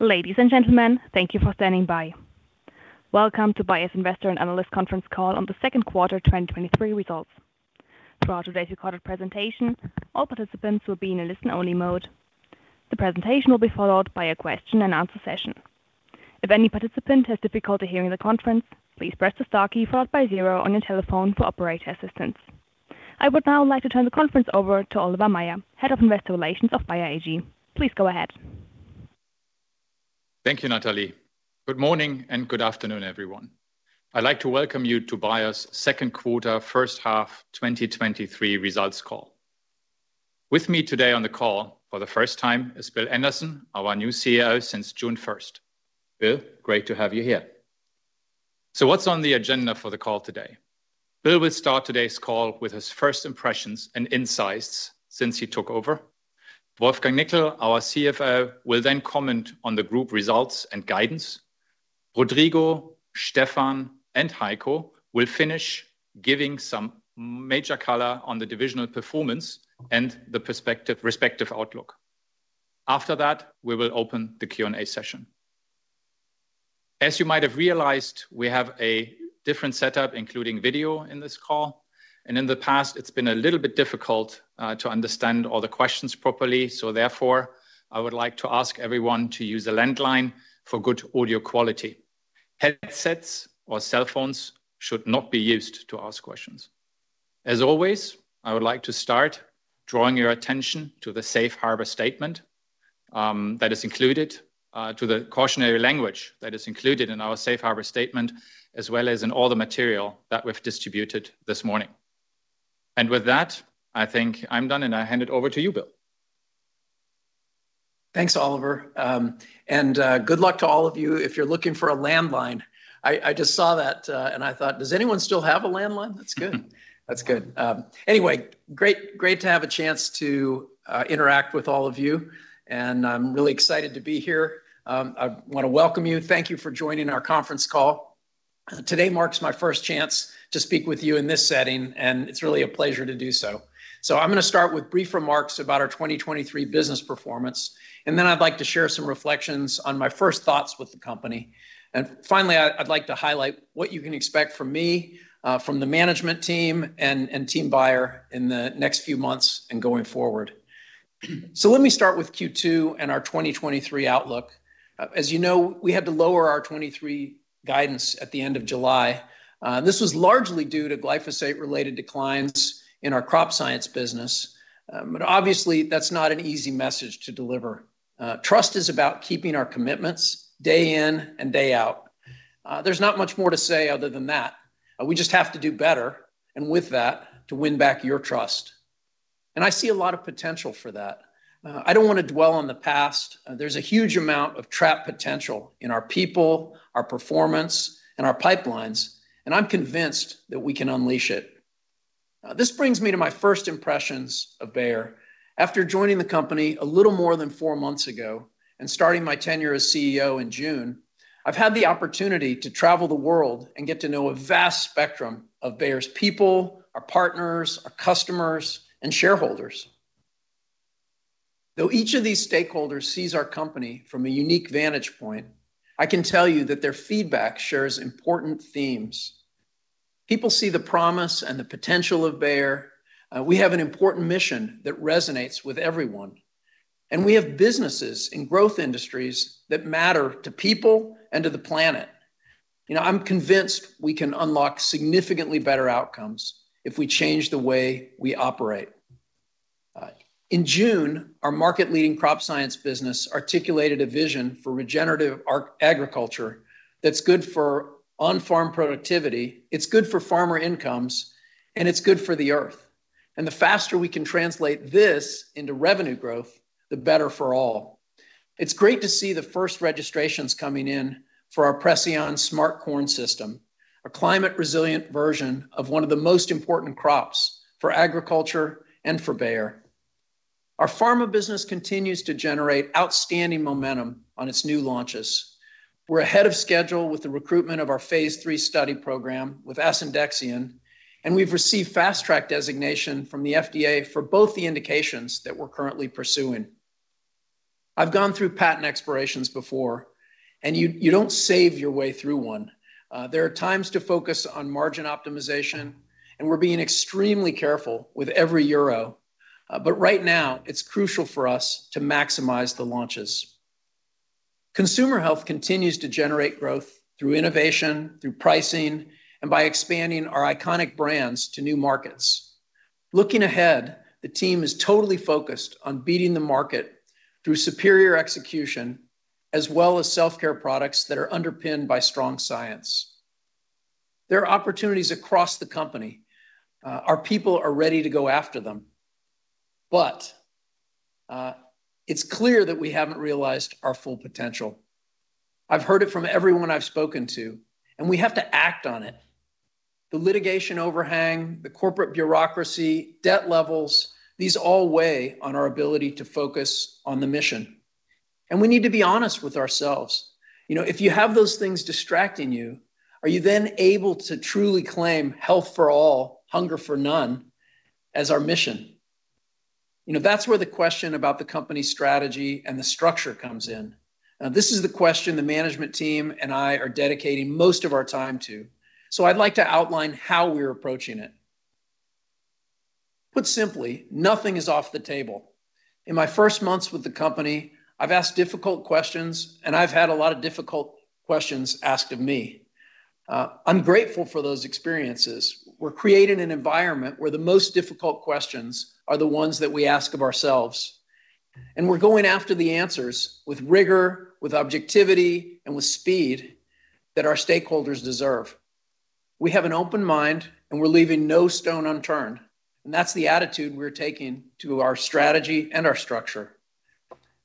Ladies and gentlemen, thank you for standing by. Welcome to Bayer's Investor and Analyst Conference Call on the Second Quarter 2023 Results. Throughout today's recorded presentation, all participants will be in a listen-only mode. The presentation will be followed by a question and answer session. If any participant has difficulty hearing the conference, please press the star key followed by 0 on your telephone for operator assistance. I would now like to turn the conference over to Oliver Maier, Head of Investor Relations of Bayer AG. Please go ahead. Thank you, Natalie. Good morning and good afternoon, everyone. I'd like to welcome you to Bayer's Second Quarter, First Half 2023 Results Call. With me today on the call for the first time is Bill Anderson, our new CEO since June first. Bill, great to have you here. What's on the agenda for the call today? Bill will start today's call with his first impressions and insights since he took over. Wolfgang Nickl, our CFO, will comment on the Group results and guidance. Rodrigo, Stefan, and Heiko will finish giving some major color on the divisional performance and the perspective, respective outlook. After that, we will open the Q&A session. As you might have realized, we have a different setup, including video, in this call, and in the past, it's been a little bit difficult to understand all the questions properly. Therefore, I would like to ask everyone to use a landline for good audio quality. Headsets or cell phones should not be used to ask questions. As always, I would like to start drawing your attention to the Safe Harbor Statement, that is included, to the cautionary language that is included in our Safe Harbor Statement, as well as in all the material that we've distributed this morning. With that, I think I'm done, and I hand it over to you, Bill. Thanks, Oliver, and good luck to all of you. If you're looking for a landline, I, I just saw that, and I thought, "Does anyone still have a landline?" That's good. That's good. Anyway, great, great to have a chance to interact with all of you, and I'm really excited to be here. I want to welcome you. Thank you for joining our conference call. Today marks my first chance to speak with you in this setting, and it's really a pleasure to do so. I'm gonna start with brief remarks about our 2023 business performance, and then I'd like to share some reflections on my first thoughts with the company. Finally, I, I'd like to highlight what you can expect from me, from the management team and Team Bayer in the next few months and going forward. Let me start with Q2 and our 2023 outlook. As you know, we had to lower our 2023 guidance at the end of July. This was largely due to glyphosate-related declines in our Crop Science business, but obviously, that's not an easy message to deliver. Trust is about keeping our commitments day in and day out. There's not much more to say other than that. We just have to do better, and with that, to win back your trust. I see a lot of potential for that. I don't want to dwell on the past. There's a huge amount of trapped potential in our people, our performance, and our pipelines, and I'm convinced that we can unleash it. This brings me to my first impressions of Bayer. After joining the company a little more than four months ago and starting my tenure as CEO in June, I've had the opportunity to travel the world and get to know a vast spectrum of Bayer's people, our partners, our customers, and shareholders. Though each of these stakeholders sees our company from a unique vantage point, I can tell you that their feedback shares important themes. People see the promise and the potential of Bayer. We have an important mission that resonates with everyone, and we have businesses in growth industries that matter to people and to the planet. You know, I'm convinced we can unlock significantly better outcomes if we change the way we operate. In June, our market-leading Crop Science business articulated a vision for regenerative agriculture that's good for on-farm productivity, it's good for farmer incomes, and it's good for the Earth. The faster we can translate this into revenue growth, the better for all. It's great to see the first registrations coming in for our Preceon Smart Corn System, a climate-resilient version of one of the most important crops for agriculture and for Bayer. Our pharma business continues to generate outstanding momentum on its new launches. We're ahead of schedule with the recruitment of our Phase III study program with asundexian, and we've received Fast Track designation from the FDA for both the indications that we're currently pursuing. I've gone through patent expirations before, and you, you don't save your way through one. There are times to focus on margin optimization, and we're being extremely careful with every euro. Right now, it's crucial for us to maximize the launches. Consumer Health continues to generate growth through innovation, through pricing, and by expanding our iconic brands to new markets. Looking ahead, the team is totally focused on beating the market through superior execution, as well as self-care products that are underpinned by strong science. There are opportunities across the company. Our people are ready to go after them, but it's clear that we haven't realized our full potential. I've heard it from everyone I've spoken to, and we have to act on it. The litigation overhang, the corporate bureaucracy, debt levels, these all weigh on our ability to focus on the mission, and we need to be honest with ourselves. You know, if you have those things distracting you, are you then able to truly claim "Health for All, Hunger for None" as our mission?... You know, that's where the question about the company's strategy and the structure comes in. This is the question the management team and I are dedicating most of our time to. I'd like to outline how we're approaching it. Put simply, nothing is off the table. In my first months with the company, I've asked difficult questions, and I've had a lot of difficult questions asked of me. I'm grateful for those experiences. We're creating an environment where the most difficult questions are the ones that we ask of ourselves, and we're going after the answers with rigor, with objectivity, and with speed that our stakeholders deserve. We have an open mind, and we're leaving no stone unturned, and that's the attitude we're taking to our strategy and our structure.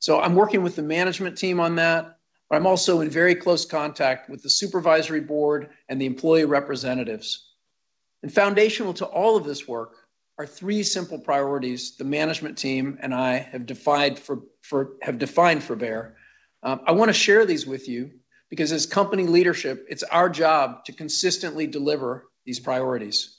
I'm working with the management team on that, but I'm also in very close contact with the supervisory board and the employee representatives. Foundational to all of this work are three simple priorities the management team and I have defined for Bayer. I want to share these with you because as company leadership, it's our job to consistently deliver these priorities.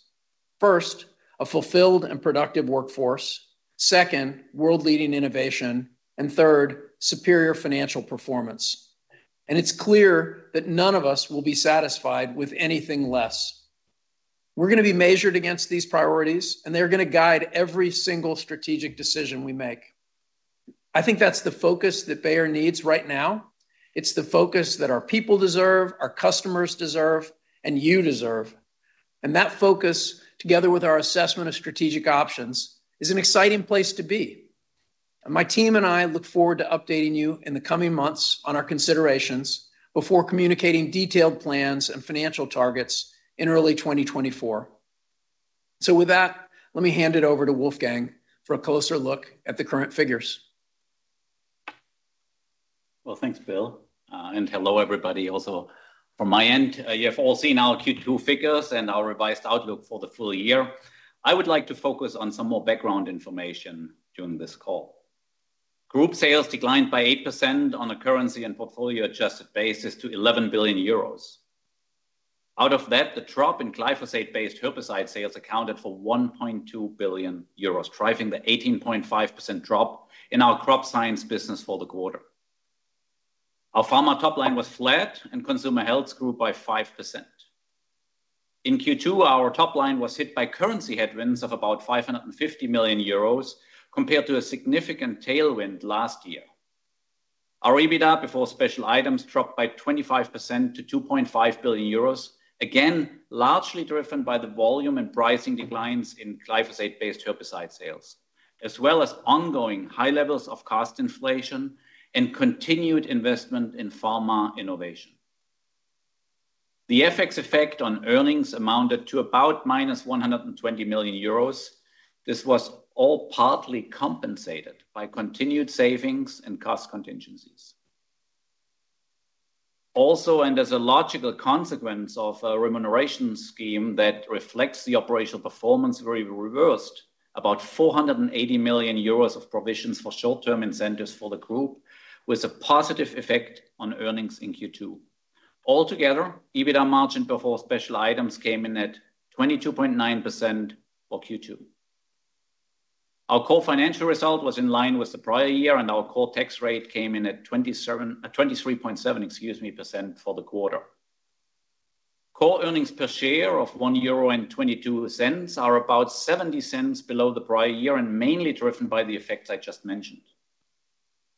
First, a fulfilled and productive workforce, second, world-leading innovation, and third, superior financial performance. It's clear that none of us will be satisfied with anything less. We're going to be measured against these priorities, and they're going to guide every single strategic decision we make. I think that's the focus that Bayer needs right now. It's the focus that our people deserve, our customers deserve, and you deserve. That focus, together with our assessment of strategic options, is an exciting place to be. My team and I look forward to updating you in the coming months on our considerations before communicating detailed plans and financial targets in early 2024. With that, let me hand it over to Wolfgang for a closer look at the current figures. Well, thanks, Bill, and hello, everybody. Also, from my end, you have all seen our Q2 figures and our revised outlook for the full year. I would like to focus on some more background information during this call. Group sales declined by 8% on a currency and portfolio-adjusted basis to 11 billion euros. Out of that, the drop in glyphosate-based herbicide sales accounted for 1.2 billion euros, driving the 18.5% drop in our Crop Science business for the quarter. Our pharma top line was flat, and Consumer Health grew by 5%. In Q2, our top line was hit by currency headwinds of about 550 million euros, compared to a significant tailwind last year. Our EBITDA before special items dropped by 25% to 2.5 billion euros, again, largely driven by the volume and pricing declines in glyphosate-based herbicide sales, as well as ongoing high levels of cost inflation and continued investment in pharma innovation. The FX effect on earnings amounted to about -120 million euros. This was all partly compensated by continued savings and cost contingencies. Also, as a logical consequence of a remuneration scheme that reflects the operational performance, we reversed about 480 million euros of provisions for short-term incentives for the group, with a positive effect on earnings in Q2. Altogether, EBITDA margin before special items came in at 22.9% for Q2. Our core financial result was in line with the prior year, and our core tax rate came in at 23.7%, excuse me, for the quarter. Core earnings per share of 1.22 euro are about 0.70 below the prior year and mainly driven by the effects I just mentioned.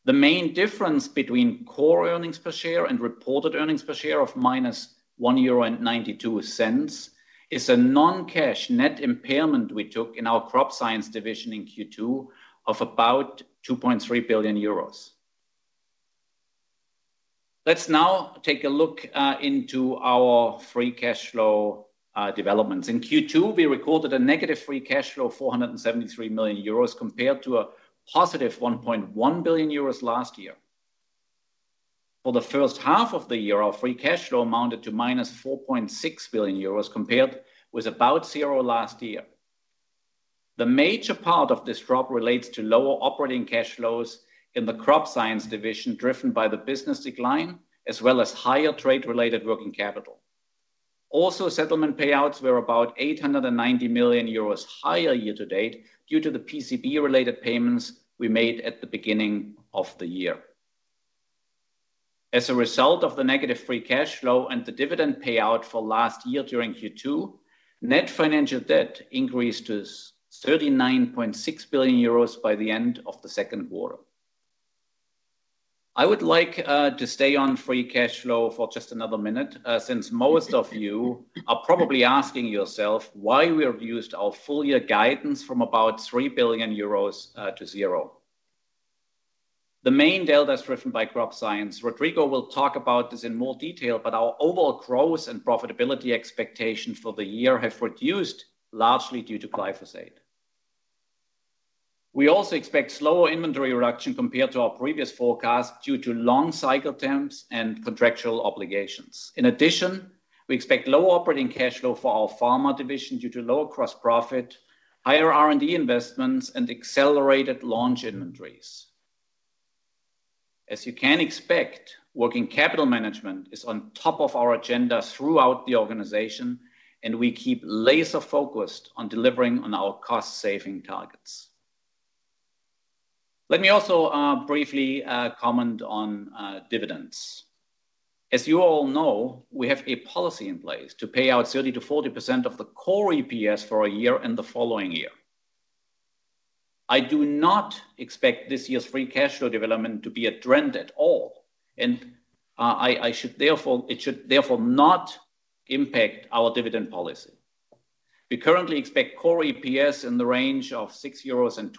The main difference between core earnings per share and reported earnings per share of -1.92 euro is a non-cash net impairment we took in our Crop Science Division in Q2 of about 2.3 billion euros. Let's now take a look into our free cash flow developments. In Q2, we recorded a negative free cash flow of 473 million euros, compared to a positive 1.1 billion euros last year. For the first half of the year, our free cash flow amounted to -4.6 billion euros, compared with about zero last year. The major part of this drop relates to lower operating cash flows in the Crop Science Division, driven by the business decline, as well as higher trade-related working capital. Settlement payouts were about 890 million euros higher year to date due to the PCB-related payments we made at the beginning of the year. As a result of the negative free cash flow and the dividend payout for last year during Q2, net financial debt increased to 39.6 billion euros by the end of the second quarter. I would like to stay on free cash flow for just another minute, since most of you are probably asking yourself why we have reduced our full year guidance from about 3 billion euros to zero. The main delta is driven by Crop Science. Rodrigo will talk about this in more detail, but our overall growth and profitability expectations for the year have reduced, largely due to glyphosate. We also expect slower inventory reduction compared to our previous forecast due to long cycle terms and contractual obligations. In addition, we expect lower operating cash flow for our pharma division due to lower cross profit, higher R&D investments, and accelerated launch inventories. As you can expect, working capital management is on top of our agenda throughout the organization, and we keep laser-focused on delivering on our cost-saving targets. Let me also briefly comment on dividends. As you all know, we have a policy in place to pay out 30%-40% of the core EPS for a year and the following year. I do not expect this year's free cash flow development to be a trend at all, and it should therefore not impact our dividend policy. We currently expect core EPS in the range of 6.20-6.40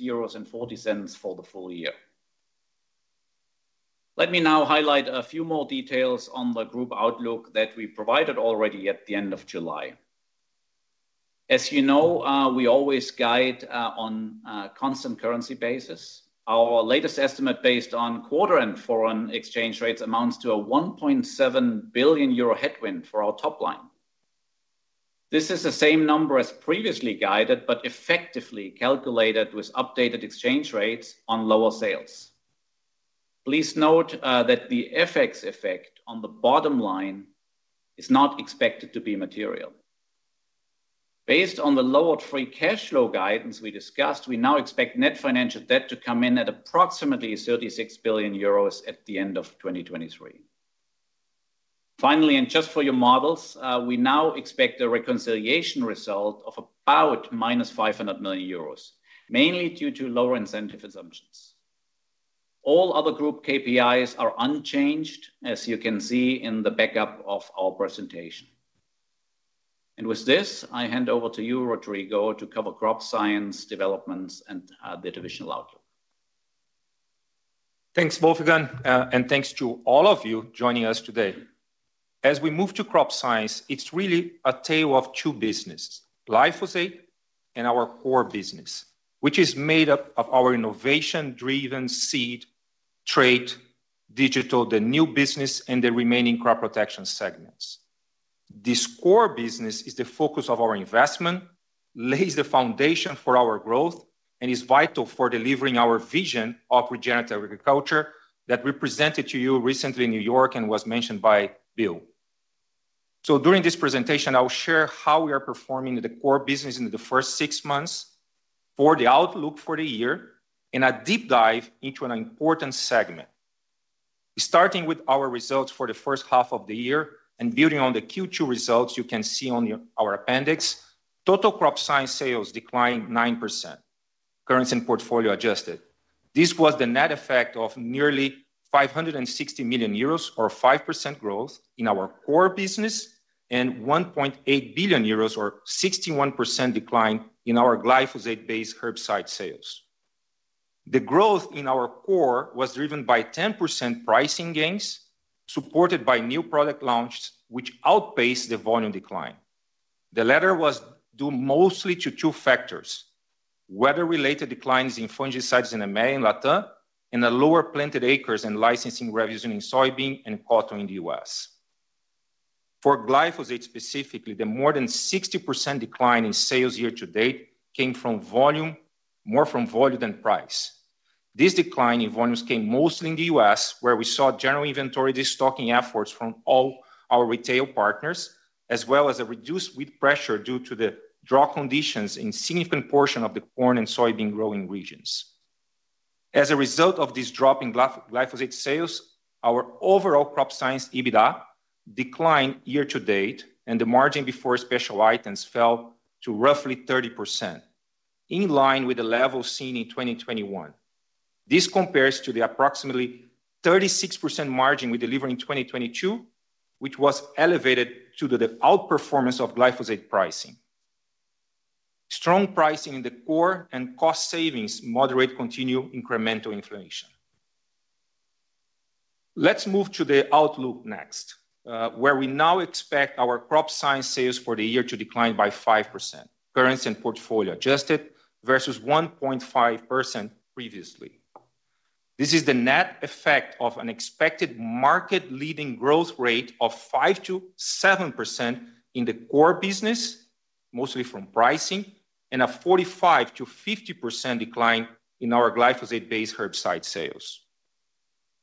euros for the full year. Let me now highlight a few more details on the group outlook that we provided already at the end of July. As you know, we always guide on a constant currency basis. Our latest estimate, based on quarter and foreign exchange rates, amounts to a 1.7 billion euro headwind for our top line. This is the same number as previously guided, effectively calculated with updated exchange rates on lower sales. Please note that the FX effect on the bottom line is not expected to be material. Based on the lowered free cash flow guidance we discussed, we now expect net financial debt to come in at approximately 36 billion euros at the end of 2023. Finally, just for your models, we now expect a reconciliation result of about -500 million euros, mainly due to lower incentive assumptions. All other group KPIs are unchanged, as you can see in the backup of our presentation. With this, I hand over to you, Rodrigo, to cover Crop Science developments and the divisional outlook. Thanks, Wolfgang, and thanks to all of you joining us today. As we move to Crop Science, it's really a tale of two businesses: glyphosate and our core business, which is made up of our innovation-driven seed, trade, digital, the new business, and the remaining crop protection segments. This core business is the focus of our investment, lays the foundation for our growth, and is vital for delivering our vision of regenerative agriculture that we presented to you recently in New York and was mentioned by Bill. During this presentation, I will share how we are performing the core business in the first six months for the outlook for the year and a deep dive into an important segment. Starting with our results for the first half of the year and building on the Q2 results, you can see on our appendix, total Crop Science sales declined 9%, currency and portfolio adjusted. This was the net effect of nearly 560 million euros, or 5% growth in our core business, and 1.8 billion euros, or 61% decline in our glyphosate-based herbicide sales. The growth in our core was driven by 10% pricing gains, supported by new product launches, which outpaced the volume decline. The latter was due mostly to two factors: weather-related declines in fungicides in EMEA and LatAm, and a lower planted acres and licensing revenues in soybean and cotton in the U.S. For glyphosate specifically, the more than 60% decline in sales year to date came from volume, more from volume than price. This decline in volumes came mostly in the U.S., where we saw general inventory destocking efforts from all our retail partners, as well as a reduced weed pressure due to the drought conditions in significant portion of the corn and soybean growing regions. As a result of this drop in glyphosate sales, our overall Crop Science EBITDA declined year to date, and the margin before special items fell to roughly 30%, in line with the level seen in 2021. This compares to the approximately 36% margin we delivered in 2022, which was elevated due to the outperformance of glyphosate pricing. Strong pricing in the core and cost savings moderate continued incremental inflation. Let's move to the outlook next, where we now expect our Crop Science sales for the year to decline by 5%, currency and portfolio adjusted, versus 1.5% previously. This is the net effect of an expected market-leading growth rate of 5%-7% in the core business, mostly from pricing, and a 45%-50% decline in our glyphosate-based herbicide sales.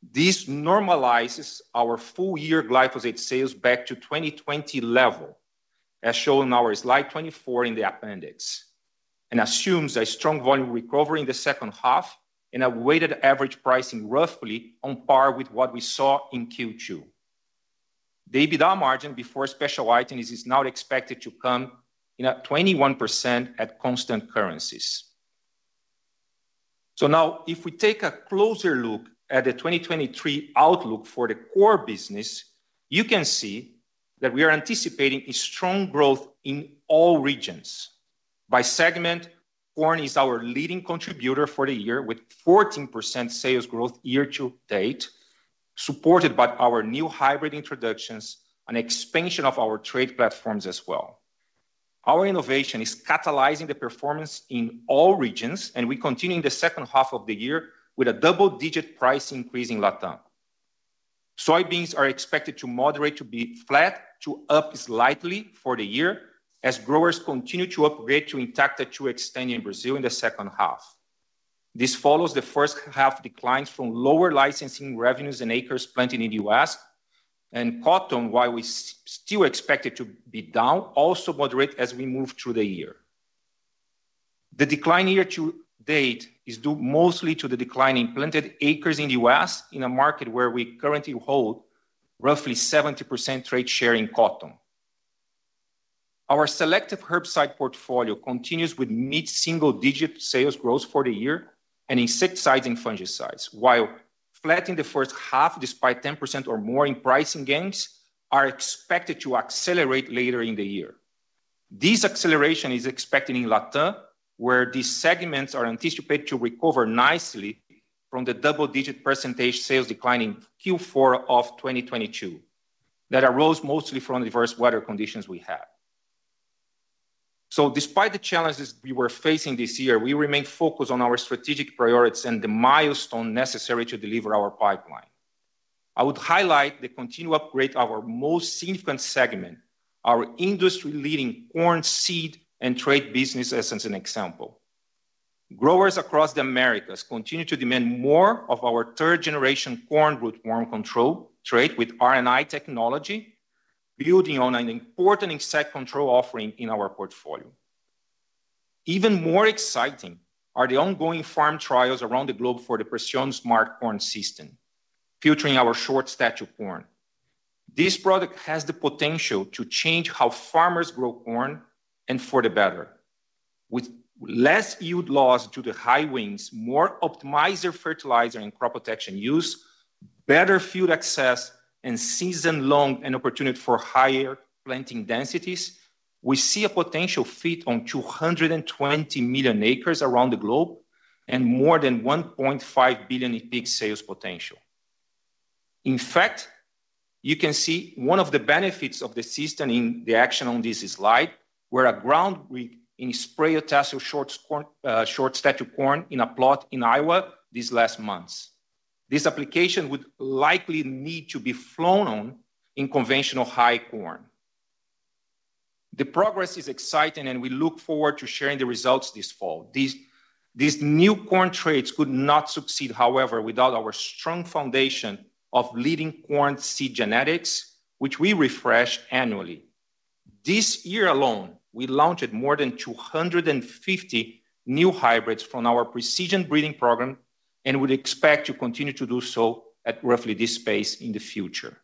This normalizes our full-year glyphosate sales back to 2020 level, as shown in our slide 24 in the appendix, and assumes a strong volume recovery in the second half and a weighted average pricing roughly on par with what we saw in Q2. The EBITDA margin before special items is now expected to come in at 21% at constant currencies. Now, if we take a closer look at the 2023 outlook for the core business, you can see that we are anticipating a strong growth in all regions. By segment, corn is our leading contributor for the year, with 14% sales growth year to date, supported by our new hybrid introductions and expansion of our trade platforms as well. Our innovation is catalyzing the performance in all regions, and we continue in the second half of the year with a double-digit price increase in LatAm. Soybeans are expected to moderate to be flat to up slightly for the year, as growers continue to upgrade to Intacta 2 Xtend in Brazil in the second half. This follows the first half declines from lower licensing revenues and acres planted in the U.S. Cotton, while we still expect it to be down, also moderate as we move through the year. The decline year to date is due mostly to the decline in planted acres in the U.S., in a market where we currently hold roughly 70% trade share in cotton. Our selective herbicide portfolio continues with mid-single-digit sales growth for the year and insecticides and fungicides, while flat in the first half, despite 10% or more in pricing gains, are expected to accelerate later in the year. This acceleration is expected in LATAM, where these segments are anticipated to recover nicely from the double-digit percentage sales decline in Q4 of 2022, that arose mostly from the adverse weather conditions we had. Despite the challenges we were facing this year, we remain focused on our strategic priorities and the milestone necessary to deliver our pipeline. I would highlight the continued upgrade of our most significant segment, our industry-leading corn seed and trade business, as an example. Growers across the Americas continue to demand more of our third-generation corn rootworm control trait with RNAi technology, building on an important insect control offering in our portfolio. Even more exciting are the ongoing farm trials around the globe for the Preceon Smart Corn System, featuring our short stature corn. This product has the potential to change how farmers grow corn and for the better. With less yield loss due to high winds, more optimizer fertilizer and crop protection use, better field access, and season-long and opportunity for higher planting densities, we see a potential fit on 220 million acres around the globe and more than 1.5 billion in peak sales potential. In fact, you can see one of the benefits of the system in the action on this slide, where a ground rig in spray or tassel short corn, short stature corn in a plot in Iowa these last months. This application would likely need to be flown on in conventional high corn. The progress is exciting, and we look forward to sharing the results this fall. These new corn traits could not succeed, however, without our strong foundation of leading corn seed genetics, which we refresh annually. This year alone, we launched more than 250 new hybrids from our precision breeding program and would expect to continue to do so at roughly this pace in the future.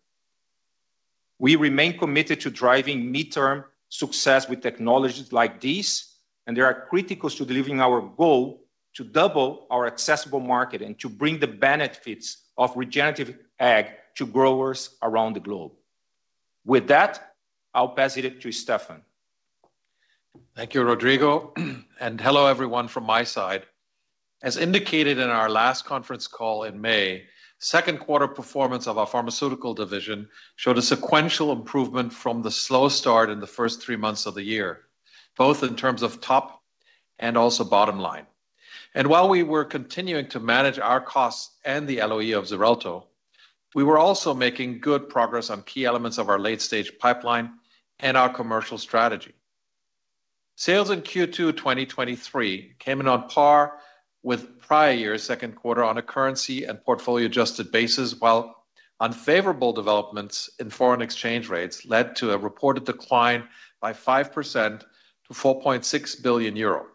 We remain committed to driving midterm success with technologies like these. They are critical to delivering our goal to double our accessible market and to bring the benefits of regenerative ag to growers around the globe. With that, I'll pass it to Stefan. Thank you, Rodrigo. Hello, everyone from my side. As indicated in our last conference call in May, second quarter performance of our pharmaceutical division showed a sequential improvement from the slow start in the first three months of the year, both in terms of top and also bottom line. While we were continuing to manage our costs and the LOE of Xarelto, we were also making good progress on key elements of our late-stage pipeline and our commercial strategy. Sales in Q2 2023 came in on par with prior year's second quarter on a currency and portfolio-adjusted basis, while unfavorable developments in foreign exchange rates led to a reported decline by 5% to 4.6 billion euro.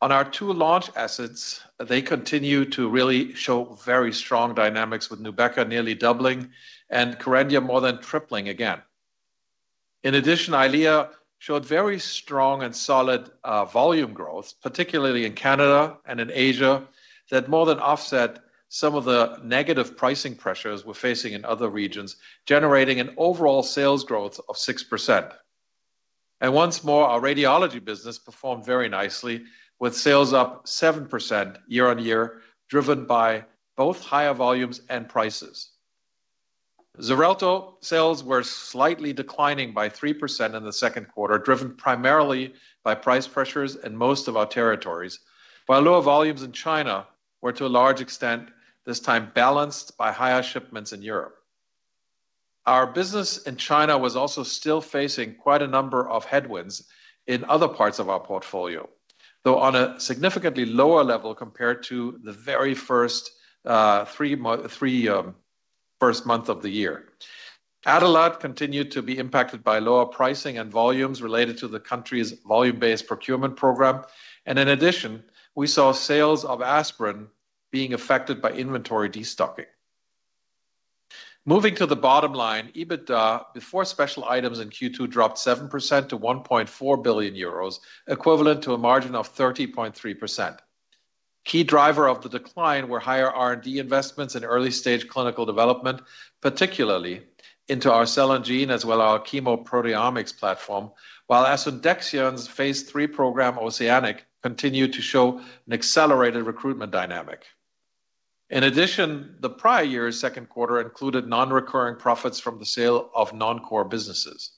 On our two launch assets, they continue to really show very strong dynamics, with Nubeqa nearly doubling and Kerendia more than tripling again. In addition, EYLEA showed very strong and solid volume growth, particularly in Canada and in Asia, that more than offset some of the negative pricing pressures we're facing in other regions, generating an overall sales growth of 6%. Once more, our radiology business performed very nicely, with sales up 7% year on year, driven by both higher volumes and prices. Xarelto sales were slightly declining by 3% in the second quarter, driven primarily by price pressures in most of our territories, while lower volumes in China were, to a large extent, this time balanced by higher shipments in Europe. Our business in China was also still facing quite a number of headwinds in other parts of our portfolio, though on a significantly lower level compared to the very first Three, first month of the year. Adalat continued to be impacted by lower pricing and volumes related to the country's volume-based procurement program. In addition, we saw sales of aspirin being affected by inventory destocking. Moving to the bottom line, EBITDA before special items in Q2 dropped 7% to 1.4 billion euros, equivalent to a margin of 30.3%. Key driver of the decline were higher R&D investments in early-stage clinical development, particularly into our cell and gene, as well our chemoproteomics platform, while asundexian's Phase III program, OCEANIC, continued to show an accelerated recruitment dynamic. In addition, the prior year's second quarter included non-recurring profits from the sale of non-core businesses.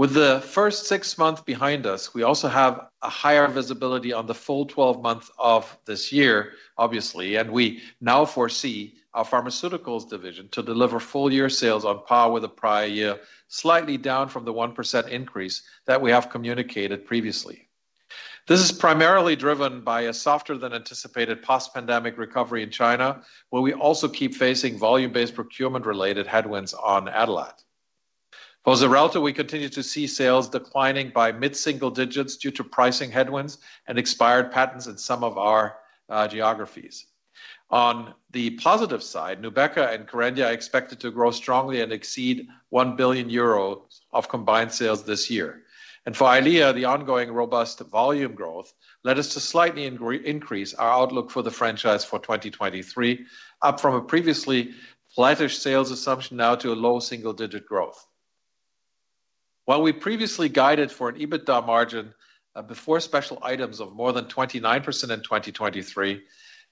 With the first six months behind us, we also have a higher visibility on the full 12 months of this year, obviously, and we now foresee our Pharmaceuticals division to deliver full year sales on par with the prior year, slightly down from the 1% increase that we have communicated previously. This is primarily driven by a softer than anticipated post-pandemic recovery in China, where we also keep facing volume-based procurement related headwinds on Adalat. For Xarelto, we continue to see sales declining by mid-single digits due to pricing headwinds and expired patents in some of our geographies. On the positive side, Nubeqa and Kerendia are expected to grow strongly and exceed 1 billion euros of combined sales this year. For EYLEA, the ongoing robust volume growth led us to slightly increase our outlook for the franchise for 2023, up from a previously flattish sales assumption now to a low single-digit growth. While we previously guided for an EBITDA margin before special items of more than 29% in 2023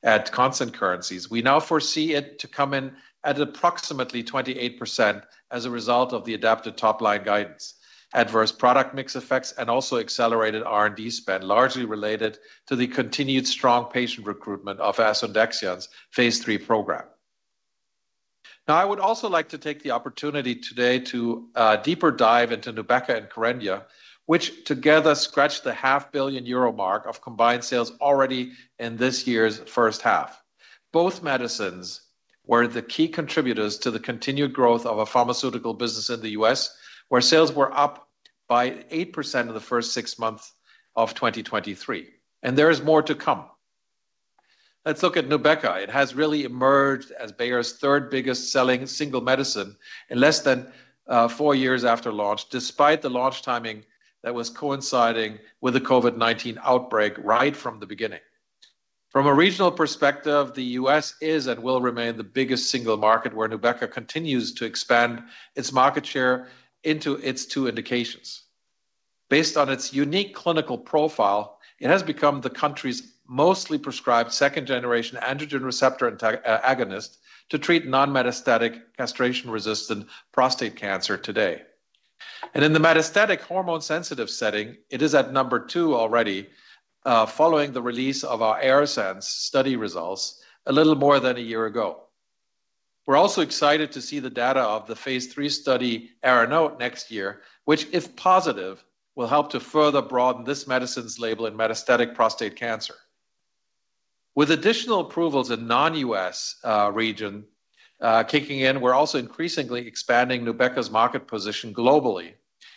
at constant currencies, we now foresee it to come in at approximately 28% as a result of the adapted top-line guidance, adverse product mix effects, and also accelerated R&D spend, largely related to the continued strong patient recruitment of Asundexian's Phase III program. I would also like to take the opportunity today to deeper dive into Nubeqa and Kerendia, which together scratched the 500 million euro mark of combined sales already in this year's first half. Both medicines were the key contributors to the continued growth of our pharmaceutical business in the U.S., where sales were up by 8% in the first six months of 2023. There is more to come. Let's look at Nubeqa. It has really emerged as Bayer's third biggest selling single medicine in less than four years after launch, despite the launch timing that was coinciding with the COVID-19 outbreak right from the beginning. From a regional perspective, the U.S. is and will remain the biggest single market, where Nubeqa continues to expand its market share into its two indications. Based on its unique clinical profile, it has become the country's mostly prescribed second-generation androgen receptor agonist to treat non-metastatic castration-resistant prostate cancer today. In the metastatic hormone-sensitive setting, it is at number two already, following the release of our ARASENS study results a little more than a year ago. We're also excited to see the data of the Phase III study, ARNOTE, next year, which, if positive, will help to further broaden this medicine's label in metastatic prostate cancer. With additional approvals in non-U.S. region kicking in, we're also increasingly expanding Nubeqa's market position globally,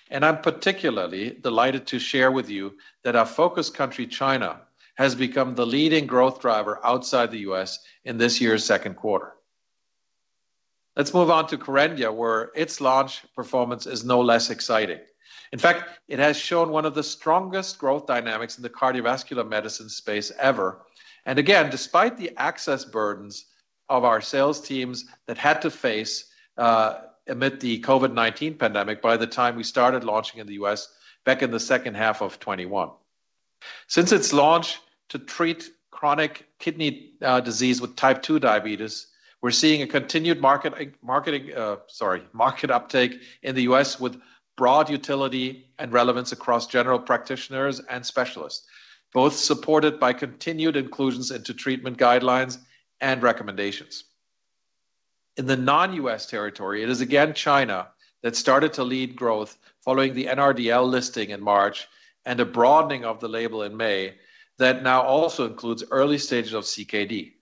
and I'm particularly delighted to share with you that our focus country, China, has become the leading growth driver outside the U.S. in this year's second quarter. Let's move on to Kerendia, where its launch performance is no less exciting. In fact, it has shown one of the strongest growth dynamics in the cardiovascular medicine space ever. Again, despite the access burdens of our sales teams that had to face amid the COVID-19 pandemic, by the time we started launching in the U.S. back in the second half of 2021. Since its launch to treat chronic kidney disease with Type II diabetes, we're seeing a continued market, marketing, sorry, market uptake in the U.S. with broad utility and relevance across general practitioners and specialists, both supported by continued inclusions into treatment guidelines and recommendations. In the non-U.S. territory, it is again China that started to lead growth following the NRDL listing in March and a broadening of the label in May that now also includes early stages of CKD.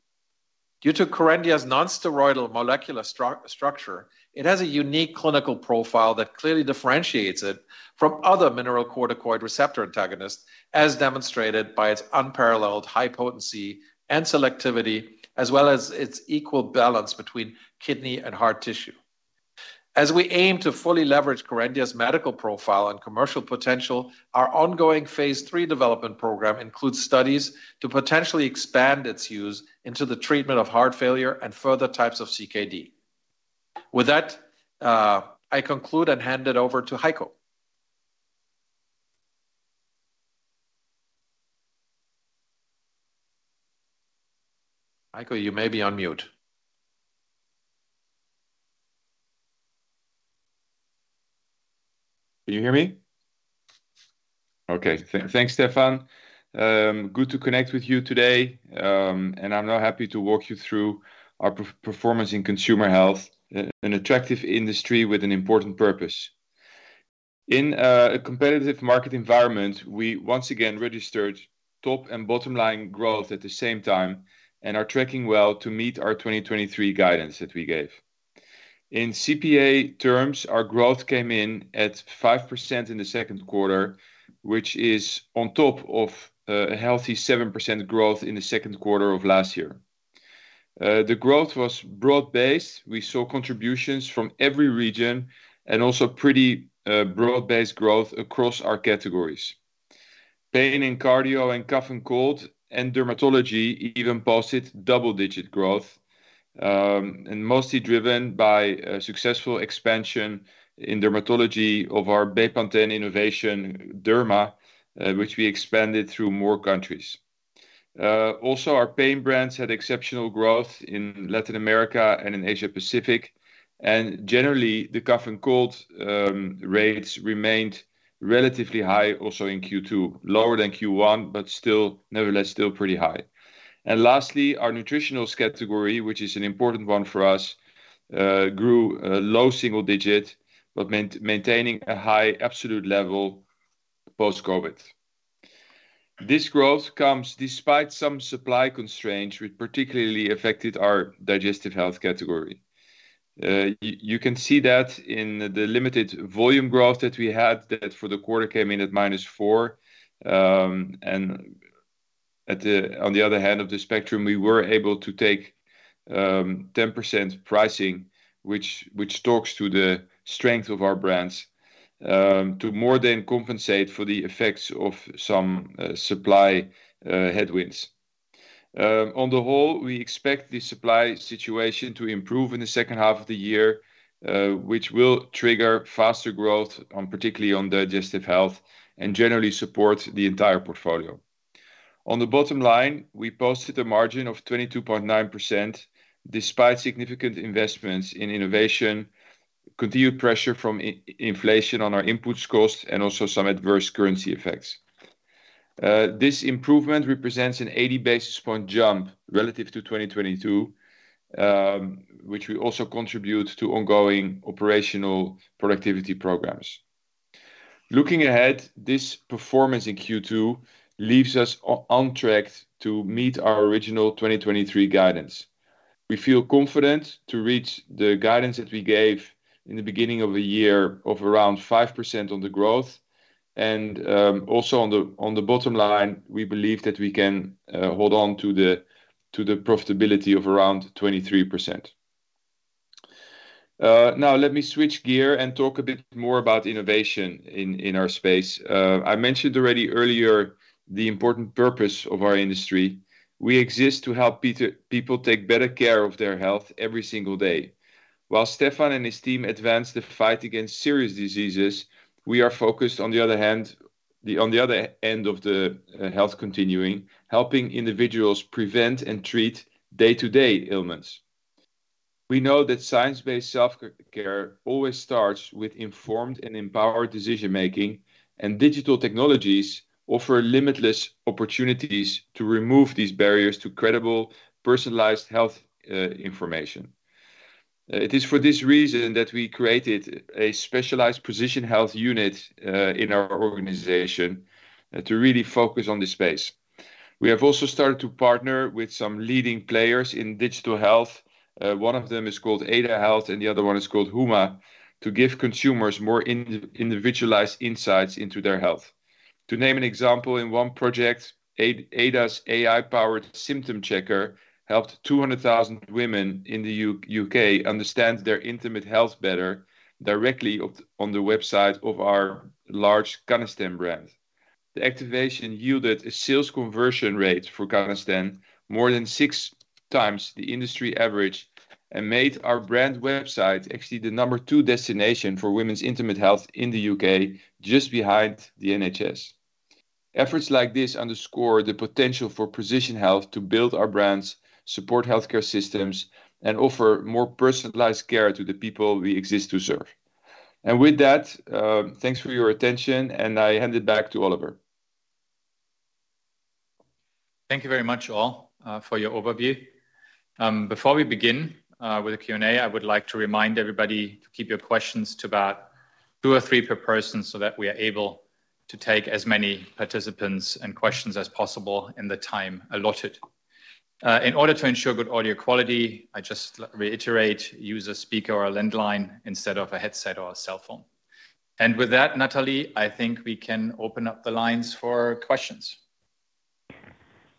Due to Kerendia's non-steroidal molecular structure, it has a unique clinical profile that clearly differentiates it from other mineralocorticoid receptor antagonists, as demonstrated by its unparalleled high potency and selectivity, as well as its equal balance between kidney and heart tissue. As we aim to fully leverage Kerendia's medical profile and commercial potential, our ongoing phase III development program includes studies to potentially expand its use into the treatment of heart failure and further types of CKD. With that, I conclude and hand it over to Heiko. Heiko, you may be on mute. Can you hear me? Okay. Thanks, Stefan. Good to connect with you today. I'm now happy to walk you through our performance in Consumer Health, an attractive industry with an important purpose. In a competitive market environment, we once again registered top and bottom line growth at the same time and are tracking well to meet our 2023 guidance that we gave. In CPA terms, our growth came in at 5% in the second quarter, which is on top of a healthy 7% growth in the second quarter of last year. The growth was broad-based. We saw contributions from every region and also pretty broad-based growth across our categories. Pain and cardio and cough and cold and dermatology even posted double-digit growth, mostly driven by a successful expansion in dermatology of our Bepanthen innovation Derma, which we expanded through more countries. Also, our pain brands had exceptional growth in Latin America and in Asia Pacific. Generally, the cough and cold rates remained relatively high also in Q2, lower than Q1, but still, nevertheless, still pretty high. Lastly, our nutritionals category, which is an important one for us, grew low single-digit, but maintaining a high absolute level post-COVID. This growth comes despite some supply constraints, which particularly affected our digestive health category. You can see that in the limited volume growth that we had, that for the quarter came in at -4%. At the, on the other hand of the spectrum, we were able to take 10% pricing, which, which talks to the strength of our brands, to more than compensate for the effects of some supply headwinds. On the whole, we expect the supply situation to improve in the second half of the year, which will trigger faster growth on, particularly on digestive health, and generally support the entire portfolio. On the bottom line, we posted a margin of 22.9%, despite significant investments in innovation, continued pressure from inflation on our inputs costs, and also some adverse currency effects. This improvement represents an 80 basis point jump relative to 2022, which will also contribute to ongoing operational productivity programs. Looking ahead, this performance in Q2 leaves us on track to meet our original 2023 guidance. We feel confident to reach the guidance that we gave in the beginning of the year of around 5% on the growth, and also on the bottom line, we believe that we can hold on to the profitability of around 23%. Now let me switch gear and talk a bit more about innovation in our space. I mentioned already earlier, the important purpose of our industry. We exist to help people take better care of their health every single day. While Stefan and his team advance the fight against serious diseases, we are focused, on the other hand, on the other end of the health continuing, helping individuals prevent and treat day-to-day ailments. We know that science-based self-care always starts with informed and empowered decision-making, and digital technologies offer limitless opportunities to remove these barriers to credible, personalized health information. It is for this reason that we created a specialized precision health unit in our organization to really focus on this space. We have also started to partner with some leading players in digital health. One of them is called Ada Health, and the other one is called Huma, to give consumers more individualized insights into their health. To name an example, in one project, Ada's AI-powered symptom checker helped 200,000 women in the U.K. understand their intimate health better, directly on the website of our large Canesten brand. The activation yielded a sales conversion rate for Canesten more than 6x the industry average, made our brand website actually the number two destination for women's intimate health in the U.K., just behind the NHS. Efforts like this underscore the potential for precision health to build our brands, support healthcare systems, and offer more personalized care to the people we exist to serve. With that, thanks for your attention, and I hand it back to Oliver. Thank you very much, all, for your overview. Before we begin with the Q&A, I would like to remind everybody to keep your questions to about two or three per person, so that we are able to take as many participants and questions as possible in the time allotted. In order to ensure good audio quality, I just reiterate, use a speaker or a landline instead of a headset or a cell phone. With that, Natalie, I think we can open up the lines for questions.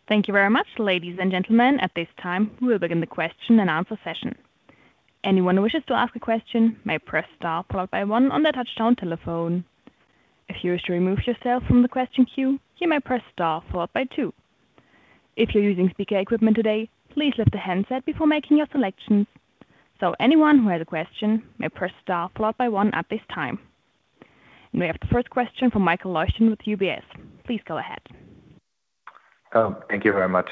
Thank you very much, ladies and gentlemen. At this time, we will begin the question and answer session. Anyone who wishes to ask a question may press star followed by one on their touchtone telephone. If you wish to remove yourself from the question queue, you may press star followed by two. If you're using speaker equipment today, please lift the handset before making your selections. Anyone who has a question may press star followed by one at this time. We have the first question from Michael Leuchter with UBS. Please go ahead. Thank you very much.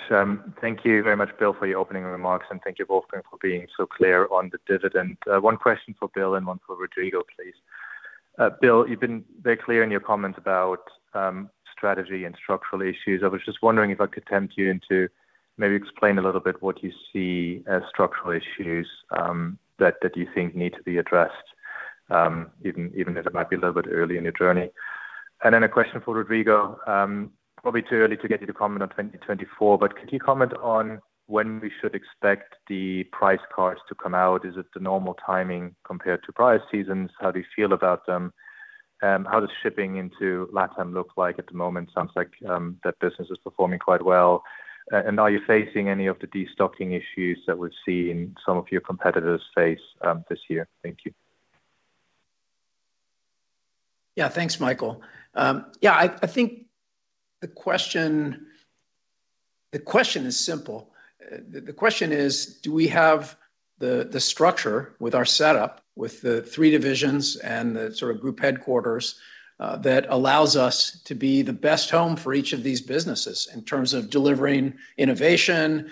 Thank you very much, Bill, for your opening remarks, and thank you, Wolfgang, for being so clear on the dividend. One question for Bill and one for Rodrigo, please. Bill, you've been very clear in your comments about strategy and structural issues. I was just wondering if I could tempt you into maybe explain a little what you see as structural issues that you think need to be addressed even though they might be a little bit early in your journey. A question for Rodrigo, probably too early to get you to comment on 2024, but could you comment on when we should expect the price cards to come out? Is it the normal timing compared to prior seasons? How do you feel about them, how does shipping into Latin look like at the moment? Sounds like that business is performing quite well. Are you facing any of the destocking issues that we've seen some of your competitors face this year? Thank you. Yeah. Thanks, Michael. Yeah, I think the question is simple. The question is: Do we have the, the structure with our setup, with the three divisions and the sort of group headquarters, that allows us to be the best home for each of these businesses in terms of delivering innovation,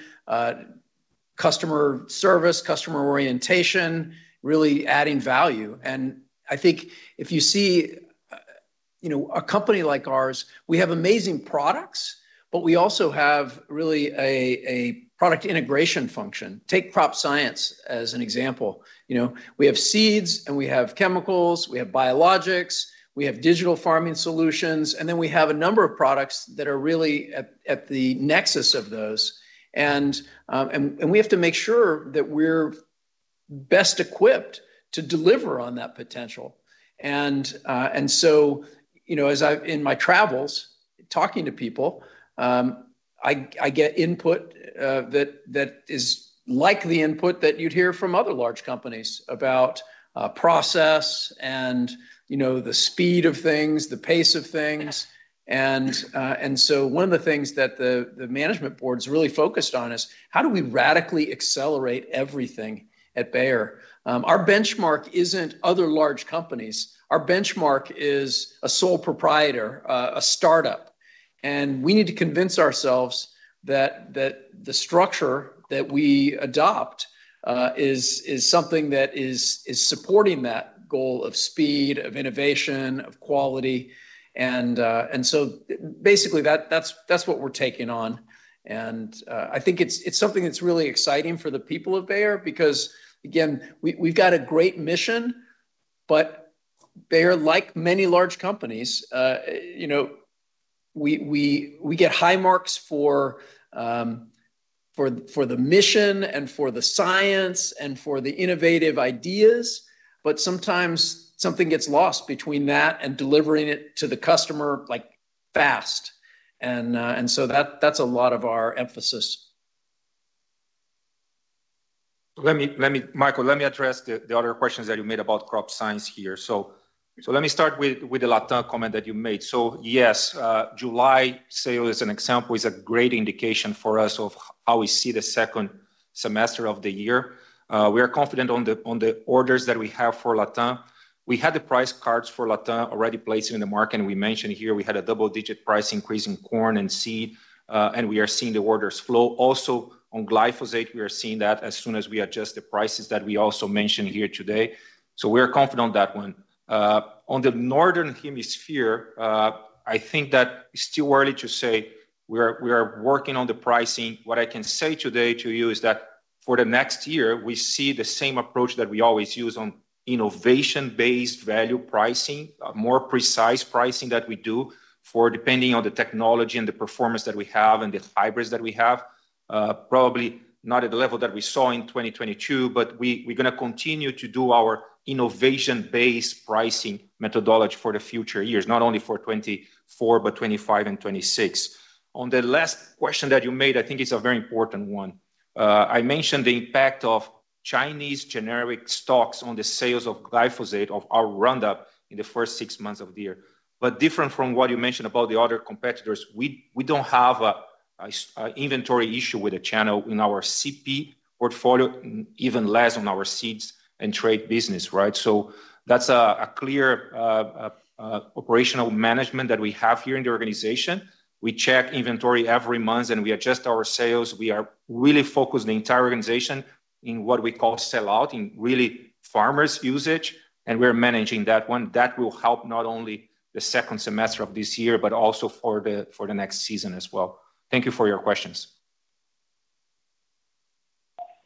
customer service, customer orientation, really adding value. I think if you see, you know, a company like ours, we have amazing products, but we also have really a, a product integration function. Take Crop Science as an example. You know, we have seeds, and we have chemicals, we have biologics, we have digital farming solutions, and then we have a number of products that are really at, at the nexus of those. We have to make sure that we're best equipped to deliver on that potential. You know, as I in my travels, talking to people, I, I get input that, that is like the input that you'd hear from other large companies about process and, you know, the speed of things, the pace of things. One of the things that the, the management board is really focused on is: how do we radically accelerate everything at Bayer? Our benchmark isn't other large companies. Our benchmark is a sole proprietor, a start-up. We need to convince ourselves that, that the structure that we adopt is, is something that is, is supporting that goal of speed, of innovation, of quality. Basically, that, that's, that's what we're taking on. I think it's, it's something that's really exciting for the people of Bayer, because, again, we, we've got a great mission, but Bayer, like many large companies, you know, we, we, we get high marks for, for, for the mission and for the science and for the innovative ideas, but sometimes something gets lost between that and delivering it to the customer, like, fast. That's a lot of our emphasis. Michael, let me address the other questions that you made about Crop Science here. Let me start with the LatAm comment that you made. Yes, July sale, as an example, is a great indication for us of how we see the second semester of the year. We are confident on the orders that we have for LatAm. We had the price cards for LatAm already placed in the market, and we mentioned here we had a double-digit price increase in corn and seed, and we are seeing the orders flow. Also on glyphosate, we are seeing that as soon as we adjust the prices that we also mentioned here today. We are confident on that one. On the northern hemisphere, I think that it's still early to say. We are, we are working on the pricing. What I can say today to you is that for the next year, we see the same approach that we always use on innovation-based value pricing, more precise pricing that we do for depending on the technology and the performance that we have and the hybrids that we have. Probably not at the level that we saw in 2022, but we, we're gonna continue to do our innovation-based pricing methodology for the future years, not only for 2024, but 2025 and 2026. On the last question that you made, I think it's a very important one. I mentioned the impact of Chinese generic stocks on the sales of glyphosate of our Roundup in the first six months of the year. Different from what you mentioned about the other competitors, we don't have an inventory issue with the channel in our CP portfolio, even less on our seeds and trade business, right? That's a clear operational management that we have here in the organization. We check inventory every month, and we adjust our sales. We are really focused, the entire organization, in what we call sell-out, in really farmers' usage, and we're managing that one. That will help not only the second semester of this year, but also for the next season as well. Thank you for your questions.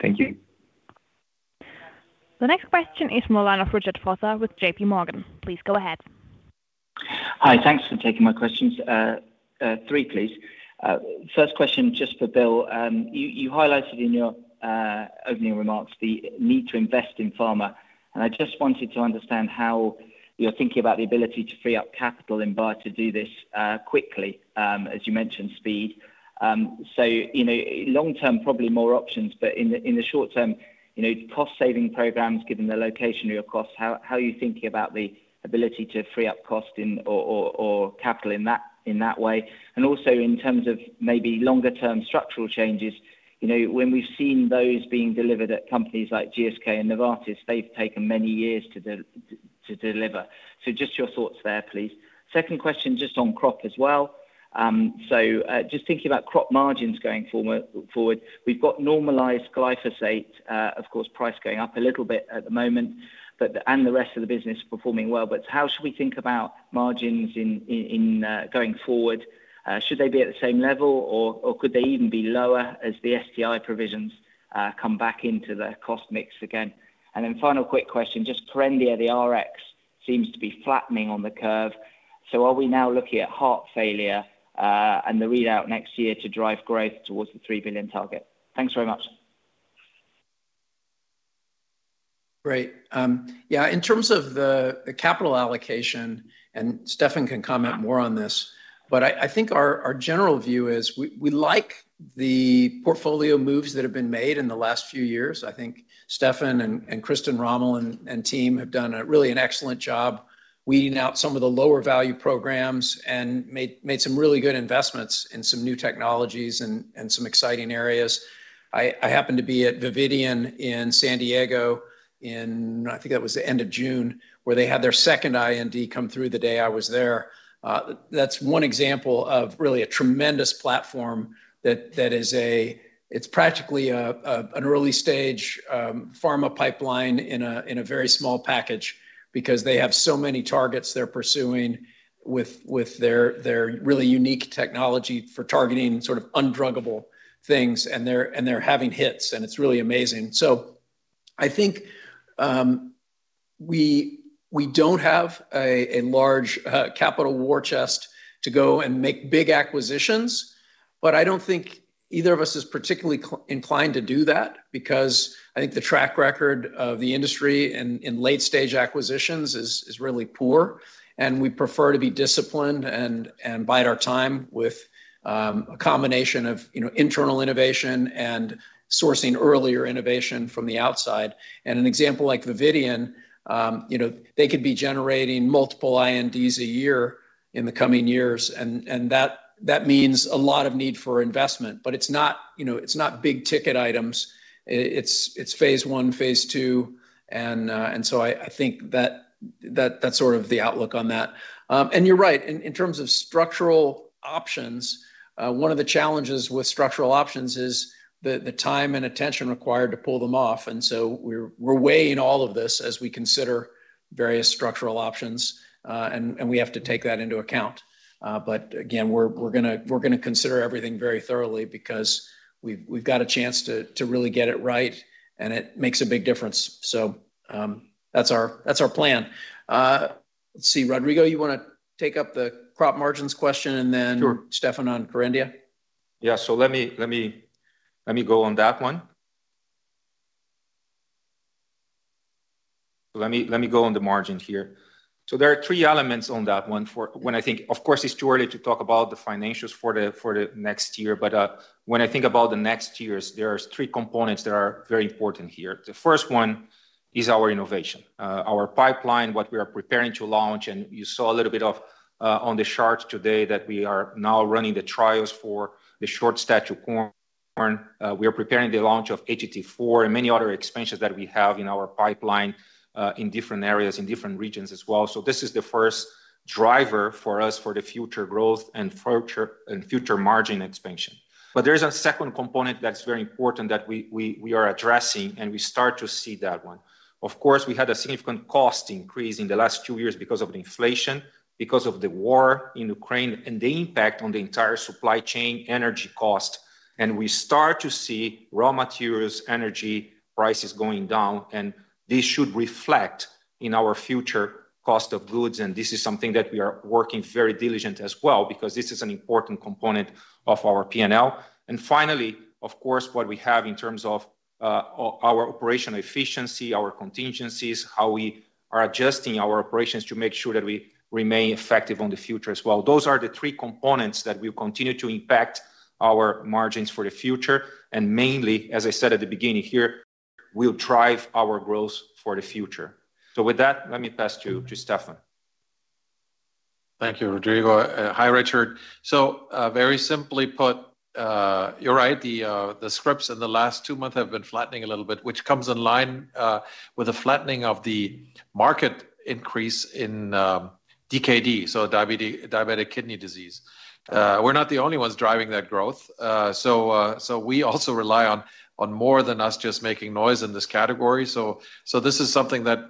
Thank you. The next question is from the line of Richard Foster with JPMorgan. Please go ahead. Hi, thanks for taking my questions. Three, please. First question, just for Bill. You, you highlighted in your opening remarks the need to invest in pharma, and I just wanted to understand how you're thinking about the ability to free up capital in Bayer to do this quickly, as you mentioned, speed. You know, long term, probably more options, but in the short term, you know, cost-saving programs, given the location of your costs, how, how are you thinking about the ability to free up cost or capital in that, in that way? Also in terms of maybe longer-term structural changes, you know, when we've seen those being delivered at companies like GSK and Novartis, they've taken many years to deliver. Just your thoughts there, please. Second question, just on crop as well. Just thinking about crop margins going forward, we've got normalized glyphosate, of course, price going up a little bit at the moment, and the rest of the business performing well. How should we think about margins in going forward? Should they be at the same level, or could they even be lower as the SDI provisions come back into the cost mix again? Final quick question, just Kerendia, the Rx, seems to be flattening on the curve. Are we now looking at heart failure and the readout next year to drive growth towards the 3 billion target? Thanks very much. Great. yeah, in terms of the, the capital allocation, and Stefan can comment more on this, but I think our general view is the portfolio moves that have been made in the last few years, I think Stefan and Christian Rommel and team have done a really an excellent job weeding out some of the lower value programs and made some really good investments in some new technologies and some exciting areas. I happened to be at Vividion in San Diego in, I think that was the end of June, where they had their second IND come through the day I was there. That's one example of really a tremendous platform that, that is, it's practically an early stage pharma pipeline in a very small package, because they have so many targets they're pursuing with their really unique technology for targeting sort of undruggable things, and they're, and they're having hits, and it's really amazing. I think we don't have a large capital war chest to go and make big acquisitions, but I don't think either of us is particularly inclined to do that, because I think the track record of the industry in late-stage acquisitions is really poor, and we prefer to be disciplined and bide our time with a combination of, you know, internal innovation and sourcing earlier innovation from the outside. An example like Vividion, you know, they could be generating multiple INDs a year in the coming years, and, and that, that means a lot of need for investment. It's not, you know, it's not big-ticket items. It's, it's phase I, phase II, and so I, I think that, that, that's sort of the outlook on that. You're right, in, in terms of structural options, one of the challenges with structural options is the, the time and attention required to pull them off, and so we're, we're weighing all of this as we consider various structural options, and, and we have to take that into account. Again, we're, we're gonna, we're gonna consider everything very thoroughly because we've, we've got a chance to, to really get it right, and it makes a big difference. That's our, that's our plan. Let's see, Rodrigo, you wanna take up the crop margins question, and then... Sure. Stefan on Corinda? Yeah. Let me, let me, let me go on that one. Let me, let me go on the margin here. There are three elements on that one for... Of course, it's too early to talk about the financials for the, for the next year, but when I think about the next years, there are three components that are very important here. The first one is our innovation. Our pipeline, what we are preparing to launch, and you saw a little bit of on the charts today, that we are now running the trials for the short stature corn. We are preparing the launch of HT4 and many other expansions that we have in our pipeline, in different areas, in different regions as well. This is the first driver for us for the future growth and future, and future margin expansion. There's a second component that's very important that we, we, we are addressing, and we start to see that one. Of course, we had a significant cost increase in the last two years because of inflation, because of the war in Ukraine, and the impact on the entire supply chain, energy cost, and we start to see raw materials, energy prices going down, and this should reflect in our future cost of goods, and this is something that we are working very diligent as well, because this is an important component of our P and L. Finally, of course, what we have in terms of our operational efficiency, our contingencies, how we are adjusting our operations to make sure that we remain effective on the future as well. Those are the three components that will continue to impact our margins for the future, and mainly, as I said at the beginning here, will drive our growth for the future. With that, let me pass to Stefan. Thank you, Rodrigo. Hi, Richard. Very simply put, you're right, the scripts in the last two months have been flattening a little bit, which comes in line with the flattening of the market increase in DKD, so diabetic kidney disease. We're not the only ones driving that growth, so we also rely on more than us just making noise in this category. This is something that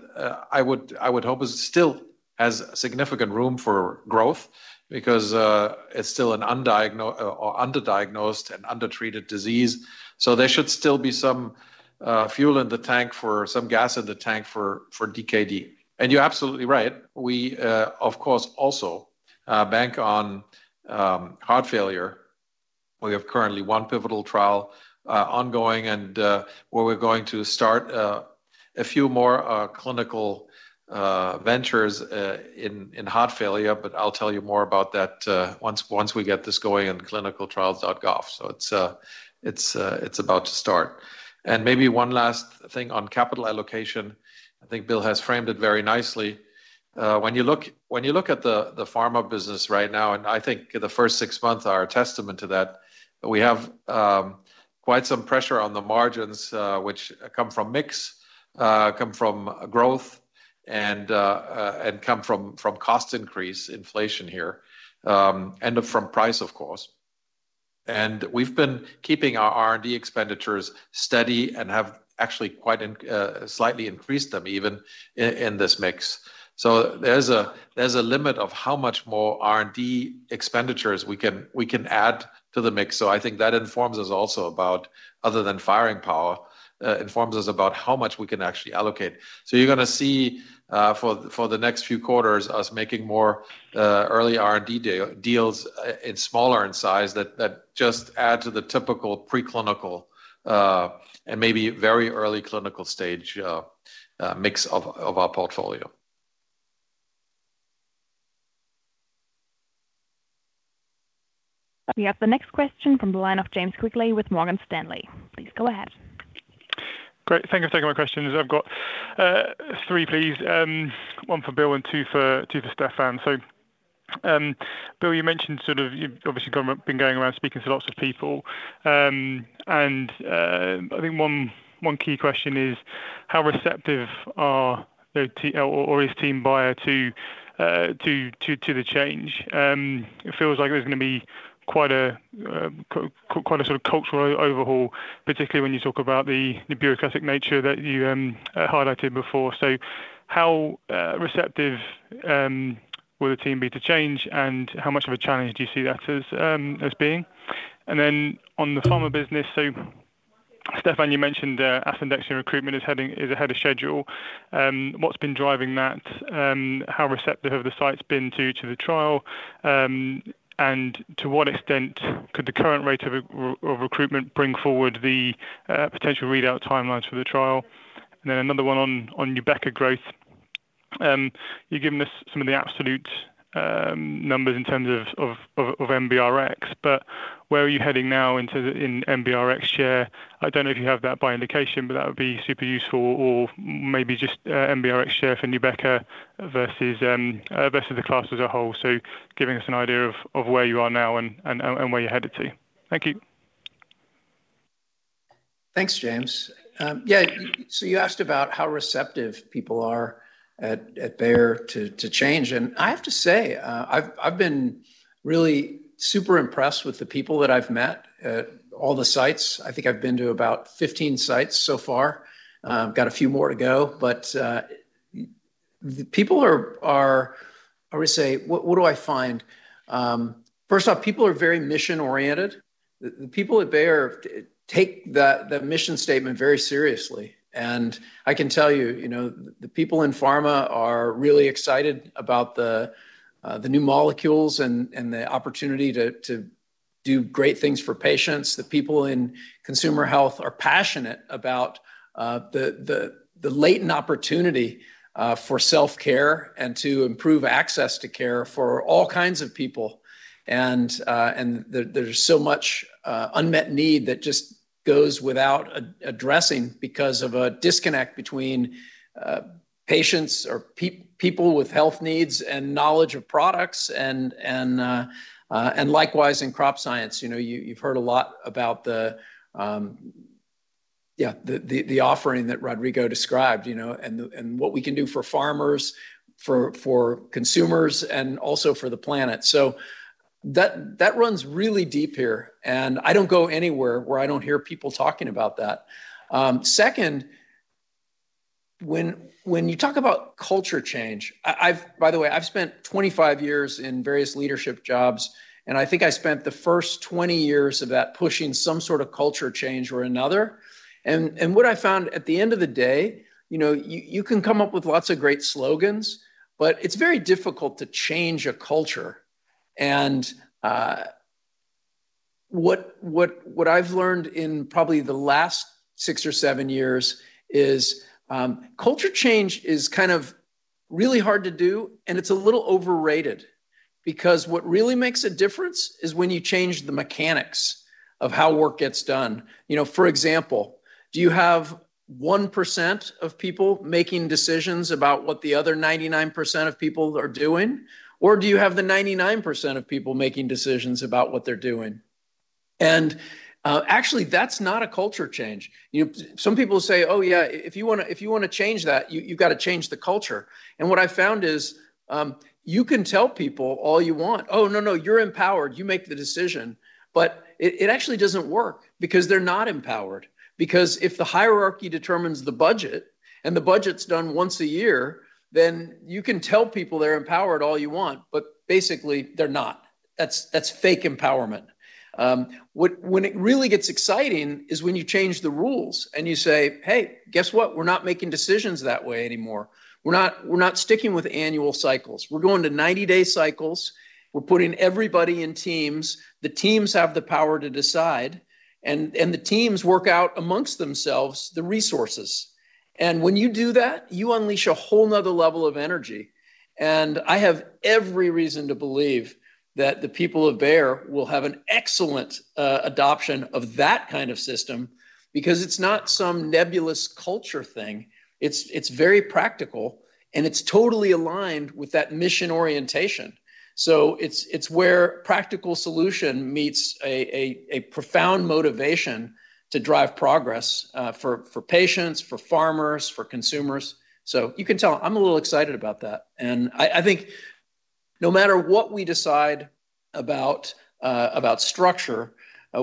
I would, I would hope is still has significant room for growth because it's still an undiagnosed, or underdiagnosed and undertreated disease. There should still be some fuel in the tank for some gas in the tank for DKD. You're absolutely right. We, of course, also bank on heart failure. We have currently one pivotal trial ongoing, and where we're going to start a few more clinical ventures in heart failure, but I'll tell you more about that once, once we get this going in clinicaltrials.gov. It's about to start. Maybe one last thing on capital allocation. I think Bill has framed it very nicely. When you look at the pharma business right now, and I think the first six months are a testament to that, we have quite some pressure on the margins, which come from mix, come from growth, and come from cost increase, inflation here, and from price, of course. We've been keeping our R&D expenditures steady and have actually quite slightly increased them even in, in this mix. There's a, there's a limit of how much more R&D expenditures we can, we can add to the mix, so I think that informs us also about, other than firing power, informs us about how much we can actually allocate. You're gonna see, for, for the next few quarters, us making more early R&D deals, and smaller in size, that, that just add to the typical preclinical, and maybe very early clinical stage mix of, of our portfolio. We have the next question from the line of James Quigley with Morgan Stanley. Please go ahead. Great. Thank you for taking my questions. I've got three, please. One for Bill and two for, two for Stefan. Bill, you mentioned you've been going around speaking to lots of people. I think one, one key question is: how receptive is team Bayer to the change? It feels like there's gonna be quite a quite a sort of cultural overhaul, particularly when you talk about the, the bureaucratic nature that you highlighted before. How receptive will the team be to change, and how much of a challenge do you see that as being? On the pharma business, Stefan, you mentioned asundexian recruitment is ahead of schedule. What's been driving that? How receptive have the sites been to, to the trial? To what extent could the current rate of recruitment bring forward the potential readout timelines for the trial? Another one on, on Nubeqa growth. You've given us some of the absolute numbers in terms of, of, of, of NBRx, but where are you heading now into the- in NBRx share? I don't know if you have that by indication, but that would be super useful. Maybe just NBRx share for Nubeqa versus versus the class as a whole. Giving us an idea of, of where you are now and, and, and where you're headed to. Thank you. Thanks, James. So you asked about how receptive people are at Bayer to change. I have to say, I've been really super impressed with the people that I've met at all the sites. I think I've been to about 15 sites so far. I've got a few more to go, but the people are, how do I say? What do I find? First off, people are very mission-oriented. The people at Bayer take that, the mission statement very seriously. I can tell you, you know, the people in pharma are really excited about the new molecules and the opportunity to do great things for patients. The people in Consumer Health are passionate about the latent opportunity for self-care and to improve access to care for all kinds of people. There's so much unmet need that just goes without addressing because of a disconnect between patients or people with health needs and knowledge of products, and likewise in Crop Science. You know, you, you've heard a lot about the offering that Rodrigo described, you know, and what we can do for farmers, for, for consumers, and also for the planet. That, that runs really deep here, and I don't go anywhere where I don't hear people talking about that. Second, when, when you talk about culture change... I've, by the way, I've spent 25 years in various leadership jobs, and I think I spent the first 20 years of that pushing some sort of culture change or another. What I found at the end of the day, you know, you, you can come up with lots of great slogans, but it's very difficult to change a culture. What I've learned in probably the last six or seven years is, culture change is kind of really hard to do, and it's a little overrated. Because what really makes a difference is when you change the mechanics of how work gets done. You know, for example, do you have 1% of people making decisions about what the other 99% of people are doing? Do you have the 99% of people making decisions about what they're doing? Actually, that's not a culture change. You know, some people say: "Oh, yeah, if you wanna change that, you, you've got to change the culture." What I found is, you can tell people all you want, "Oh, no, no, you're empowered. You make the decision." It, it actually doesn't work because they're not empowered. If the hierarchy determines the budget, and the budget's done once a year, then you can tell people they're empowered all you want, but basically, they're not. That's, that's fake empowerment. When it really gets exciting is when you change the rules and you say, "Hey, guess what? We're not making decisions that way anymore. We're not, we're not sticking with annual cycles. We're going to 90-day cycles. We're putting everybody in teams. The teams have the power to decide, and, and the teams work out amongst themselves the resources." When you do that, you unleash a whole another level of energy. I have every reason to believe that the people of Bayer will have an excellent adoption of that kind of system, because it's not some nebulous culture thing. It's, it's very practical, and it's totally aligned with that mission orientation. It's, it's where practical solution meets a, a, a profound motivation to drive progress for, for patients, for farmers, for consumers. You can tell I'm a little excited about that, and I, I think no matter what we decide about, about structure,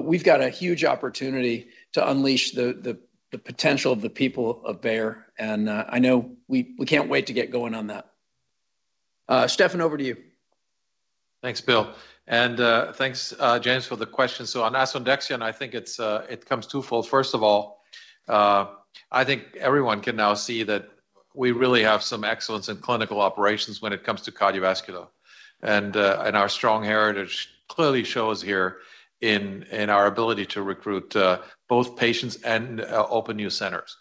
we've got a huge opportunity to unleash the, the, the potential of the people of Bayer, and I know we, we can't wait to get going on that. Stefan, over to you. Thanks, Bill. Thanks, James, for the question. On asundexian, I think it's, it comes twofold. First of all, I think everyone can now see that we really have some excellence in clinical operations when it comes to cardiovascular. Our strong heritage clearly shows here in, in our ability to recruit, both patients and open new centers.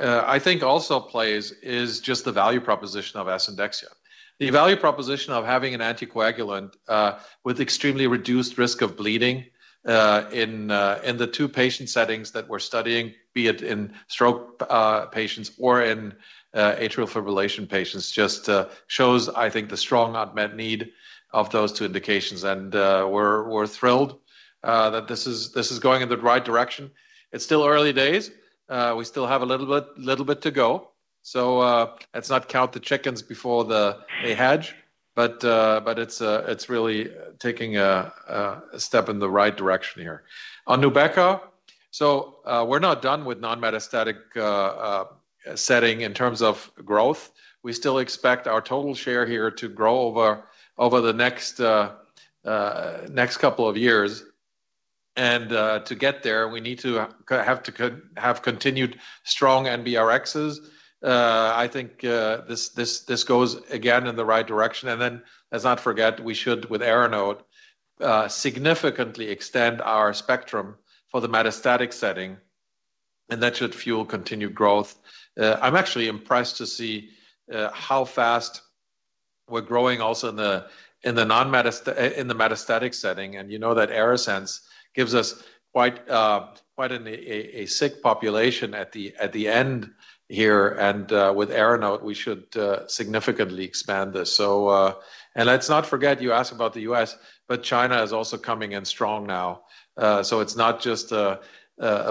I think also plays is just the value proposition of asundexian. The value proposition of having an anticoagulant, with extremely reduced risk of bleeding, in, in the two patient settings that we're studying, be it in stroke, patients or in atrial fibrillation patients, just shows, I think, the strong unmet need of those two indications. We're, we're thrilled, that this is, this is going in the right direction. It's still early days. We still have a little bit, little bit to go. Let's not count the chickens before they hatch, but it's really taking a step in the right direction here. On Nubeqa, we're not done with non-metastatic setting in terms of growth. We still expect our total share here to grow over the next couple of years. To get there, we need to have continued strong NBRXs. I think this goes again in the right direction. Then let's not forget, we should, with ARANOTE, significantly extend our spectrum for the metastatic setting, and that should fuel continued growth. I'm actually impressed to see how fast we're growing also in the metastatic setting. You know that ARASENS gives us quite an sick population at the end here. With ARANOTE, we should significantly expand this. Let's not forget, you asked about the U.S., but China is also coming in strong now. It's not just a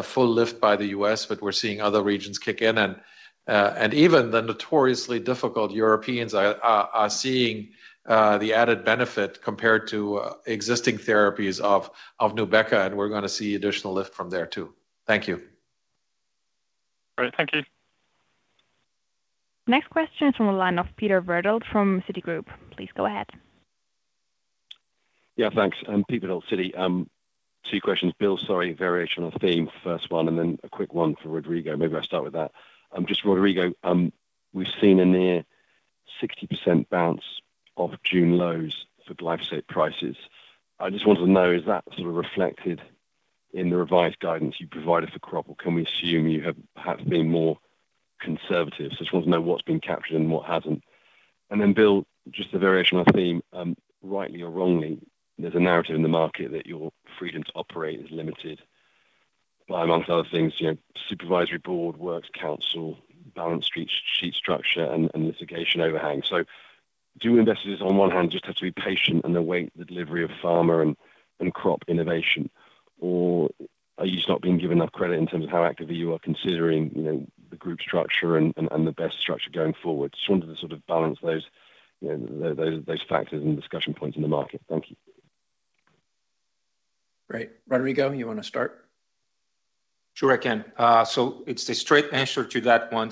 full lift by the U.S., but we're seeing other regions kick in. Even the notoriously difficult Europeans are seeing the added benefit compared to existing therapies of Nubeqa, and we're gonna see additional lift from there, too. Thank you. Great. Thank you. Next question from the line of Peter Verdult from Citigroup. Please go ahead. Yeah, thanrks. I'm Peter Verdult, Citi. Two questions. Bill, sorry, variation on theme, first one, then a quick one for Rodrigo. Maybe I'll start with that. Just Rodrigo, we've seen a near 60% bounce off June lows for glyphosate prices. I just wanted to know, is that sort of reflected in the revised guidance you provided for crop? Or can we assume you have perhaps been more conservative? I just want to know what's been captured and what hasn't. Then, Bill, just a variation on theme. Rightly or wrongly, there's a narrative in the market that your freedom to operate is limited by, amongst other things, you know, supervisory board, works council, balance sheet, sheet structure, and litigation overhang. Do investors, on one hand, just have to be patient and await the delivery of farmer and crop innovation? Are you just not being given enough credit in terms of how actively you are considering, you know, the group structure and, and, and the best structure going forward? Wanted to sort of balance those, you know, those factors and discussion points in the market. Thank you. Great. Rodrigo, you want to start? Sure, I can. It's a straight answer to that one.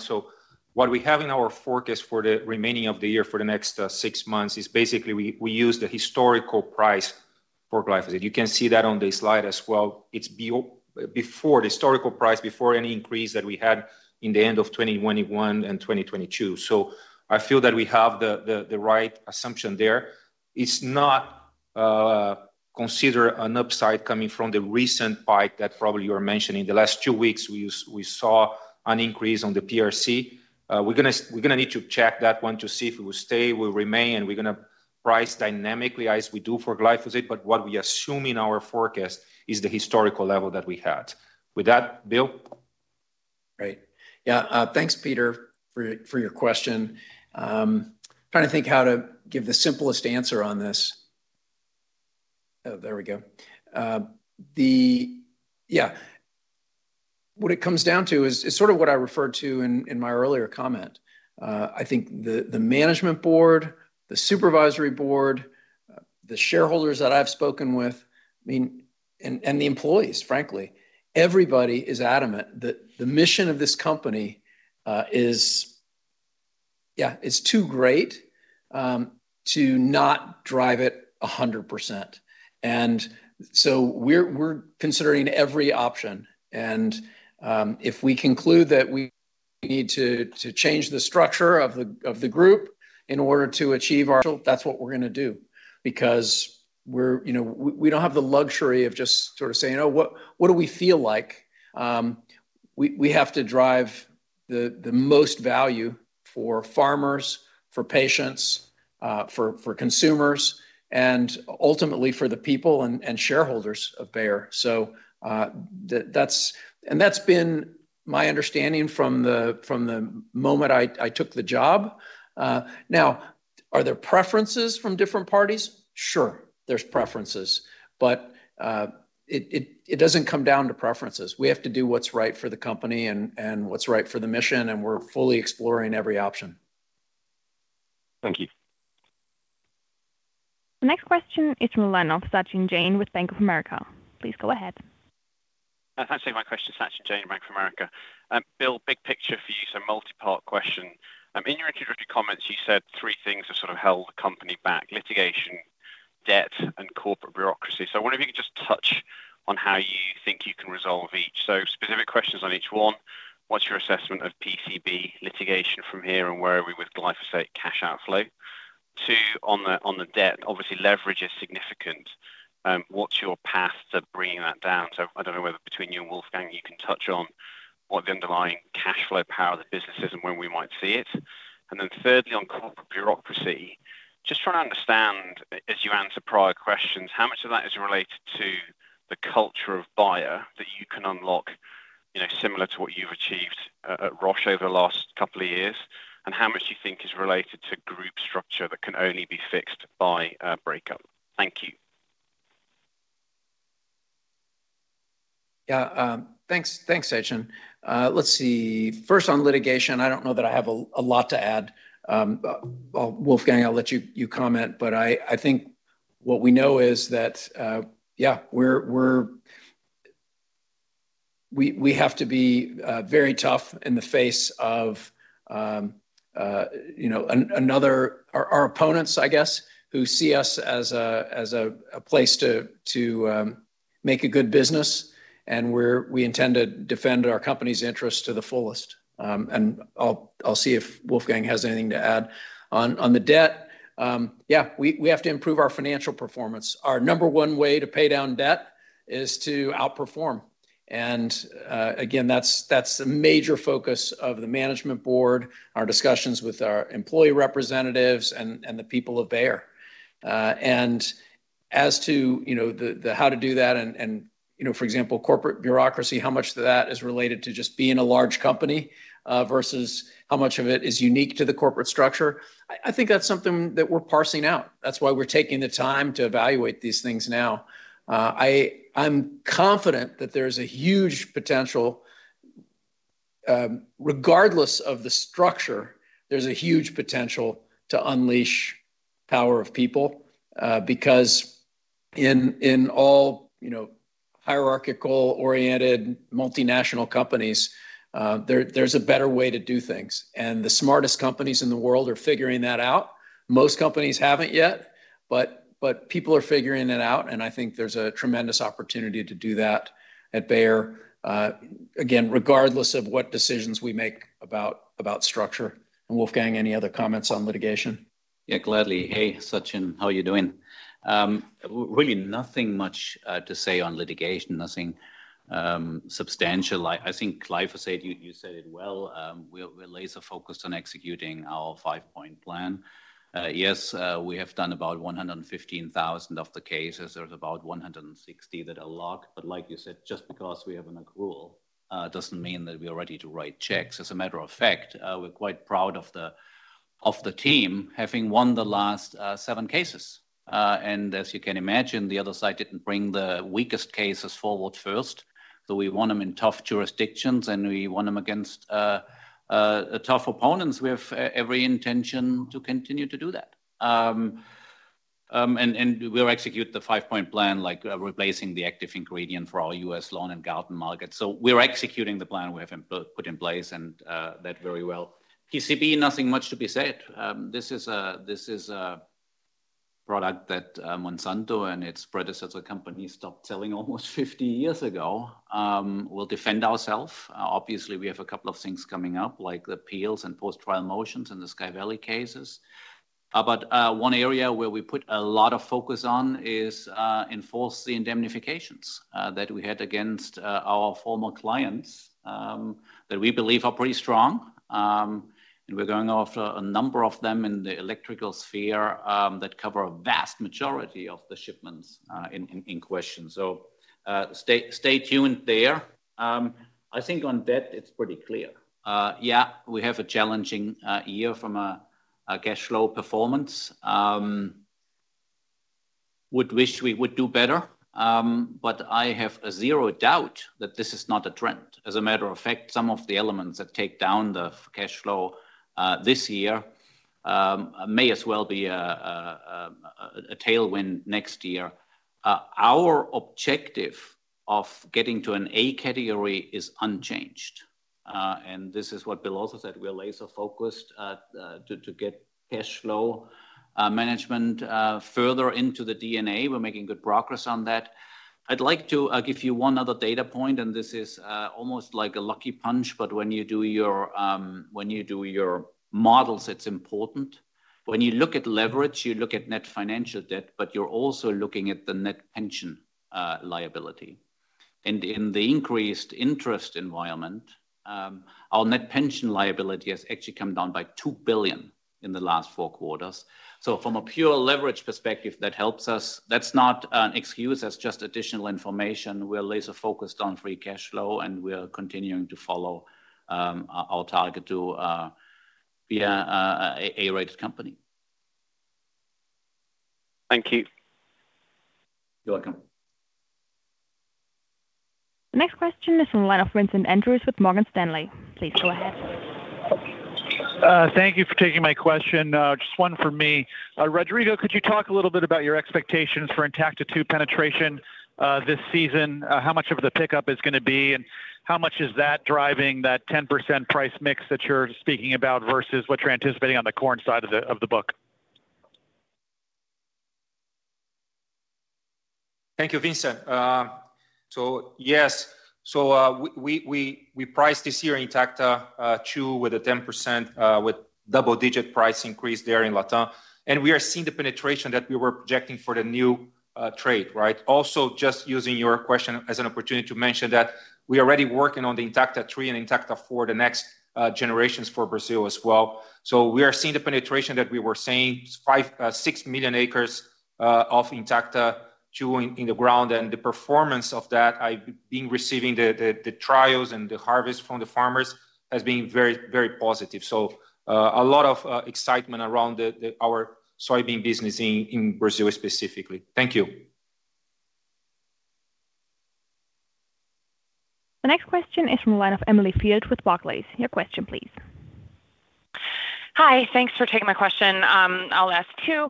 What we have in our forecast for the remaining of the year, for the next six months, is basically we, we use the historical price for glyphosate. You can see that on the slide as well. It's before the historical price, before any increase that we had in the end of 2021 and 2022. I feel that we have the, the, the right assumption there. It's not, consider an upside coming from the recent spike that probably you are mentioning. The last two weeks, we saw an increase on the PRC. We're gonna, we're gonna need to check that one to see if it will stay, will remain, and we're gonna price dynamically as we do for glyphosate. What we assume in our forecast is the historical level that we had. With that, Bill? Great. Yeah, thanks, Peter, for, for your question. Trying to think how to give the simplest answer on this. There we go. The... Yeah, what it comes down to is, is sort of what I referred to in, in my earlier comment. I think the, the management board, the supervisory board, the shareholders that I've spoken with, I mean, and, and the employees, frankly, everybody is adamant that the mission of this company, is, yeah, is too great, to not drive it 100%. We're, we're considering every option. If we conclude that we need to, to change the structure of the, of the group in order to achieve our... That's what we're gonna do, because we're, you know, we, we don't have the luxury of just sort of saying, "Oh, what, what do we feel like?" We, we have to drive the, the most value for farmers, for patients, for, for consumers, and ultimately for the people and, and shareholders of Bayer. That's been my understanding from the, from the moment I, I took the job. Now, are there preferences from different parties? Sure, there's preferences. It, it, it doesn't come down to preferences. We have to do what's right for the company and, and what's right for the mission, and we're fully exploring every option. Thank you. The next question is from the line of Sachin Jain with Bank of America. Please go ahead. Thanks for taking my question. Sachin Jain, Bank of America. Bill, big picture for you, so multi-part question. In your introductory comments, you said three things have sort of held the company back: litigation, debt, and corporate bureaucracy. I wonder if you could just touch on how you think you can resolve each. Specific questions on each one. What's your assessment of PCB litigation from here, and where are we with glyphosate cash outflow? Two, on the, on the debt, obviously, leverage is significant.... what's your path to bringing that down? I don't know whether between you and Wolfgang, you can touch on what the underlying cash flow power of the business is and when we might see it. Thirdly, on corporate bureaucracy, just trying to understand, as you answer prior questions, how much of that is related to the culture of Bayer that you can unlock, you know, similar to what you've achieved, at Roche over the last couple of years? How much do you think is related to group structure that can only be fixed by a breakup? Thank you. Yeah, thanks. Thanks, Sachin. Let's see. First, on litigation, I don't know that I have a, a lot to add. Well, Wolfgang, I'll let you, you comment, but I, I think what we know is that, yeah, we're, we're-- we, we have to be very tough in the face of, you know, an- another-- our, our opponents, I guess, who see us as a, as a, a place to, to make a good business, and we're-- we intend to defend our company's interests to the fullest. And I'll, I'll see if Wolfgang has anything to add. On, on the debt, yeah, we, we have to improve our financial performance. Our number one way to pay down debt is to outperform, again, that's, that's a major focus of the management board, our discussions with our employee representatives, and, and the people of Bayer. As to, you know, the, the how to do that, and, and, you know, for example, corporate bureaucracy, how much of that is related to just being a large company, versus how much of it is unique to the corporate structure? I, I think that's something that we're parsing out. That's why we're taking the time to evaluate these things now. I, I'm confident that there's a huge potential, regardless of the structure, there's a huge potential to unleash power of people. Because in, in all, you know, hierarchical-oriented multinational companies, there, there's a better way to do things, and the smartest companies in the world are figuring that out. Most companies haven't yet, but, but people are figuring it out, and I think there's a tremendous opportunity to do that at Bayer, again, regardless of what decisions we make about, about structure. Wolfgang, any other comments on litigation? Yeah, gladly. Hey, Sachin, how are you doing? Really nothing much to say on litigation. Nothing substantial. I think glyphosate, you said it well. We're laser focused on executing our five-point plan. Yes, we have done about 115,000 of the cases. There's about 160 that are locked. Like you said, just because we have an accrual, doesn't mean that we are ready to write checks. As a matter of fact, we're quite proud of the team having won the last seven cases. As you can imagine, the other side didn't bring the weakest cases forward first, so we won them in tough jurisdictions, and we won them against tough opponents. We have every intention to continue to do that. We'll execute the five-point plan, like replacing the active ingredient for our U.S. lawn and garden market. We're executing the plan we have put in place, and that very well. PCB, nothing much to be said. This is a product that Monsanto and its predecessor company stopped selling almost 50 years ago. We'll defend ourself. Obviously, we have a couple of things coming up, like the appeals and post-trial motions in the Sky Valley cases. One area where we put a lot of focus on is enforce the indemnifications that we had against our former clients that we believe are pretty strong. We're going after a number of them in the electrical sphere that cover a vast majority of the shipments in question. Stay tuned there. I think on debt, it's pretty clear. Yeah, we have a challenging year from a cash flow performance. Would wish we would do better, but I have zero doubt that this is not a trend. As a matter of fact, some of the elements that take down the cash flow this year may as well be a tailwind next year. Our objective of getting to an A category is unchanged. This is what Bill also said, we are laser focused to get cash flow management further into the DNA. We're making good progress on that. I'd like to give you one other data point, and this is almost like a lucky punch, but when you do your when you do your models, it's important. When you look at leverage, you look at net financial debt, but you're also looking at the net pension liability. In the increased interest environment, our net pension liability has actually come down by 2 billion in the last four quarters. From a pure leverage perspective, that helps us. That's not an excuse. That's just additional information. We're laser focused on free cash flow, and we are continuing to follow our, our target to be a A-rated company. Thank you. You're welcome. The next question is from the line of Vincent Andrews with Morgan Stanley. Please go ahead. Thank you for taking my question, just one for me. Rodrigo, could you talk a little bit about your expectations for Intacta2 penetration, this season? How much of the pickup is gonna be, and how much is that driving that 10% price mix that you're speaking about versus what you're anticipating on the corn side of the, of the book? Thank you, Vincent.Yes. We, we, we, we priced this year Intacta 2 with a 10% with double-digit price increase there in Latin. We are seeing the penetration that we were projecting for the new trade, right? Also, just using your question as an opportunity to mention that we are already working on the Intacta 3 and Intacta 4, the next generations for Brazil as well. We are seeing the penetration that we were saying, 5, 6 million acres of Intacta 2 in, in the ground. The performance of that, I've been receiving the trials and the harvest from the farmers, has been very, very positive. A lot of excitement around our soybean business in Brazil specifically. Thank you. The next question is from the line of Emily Field with Barclays. Your question, please. Hi, thanks for taking my question. I'll ask two.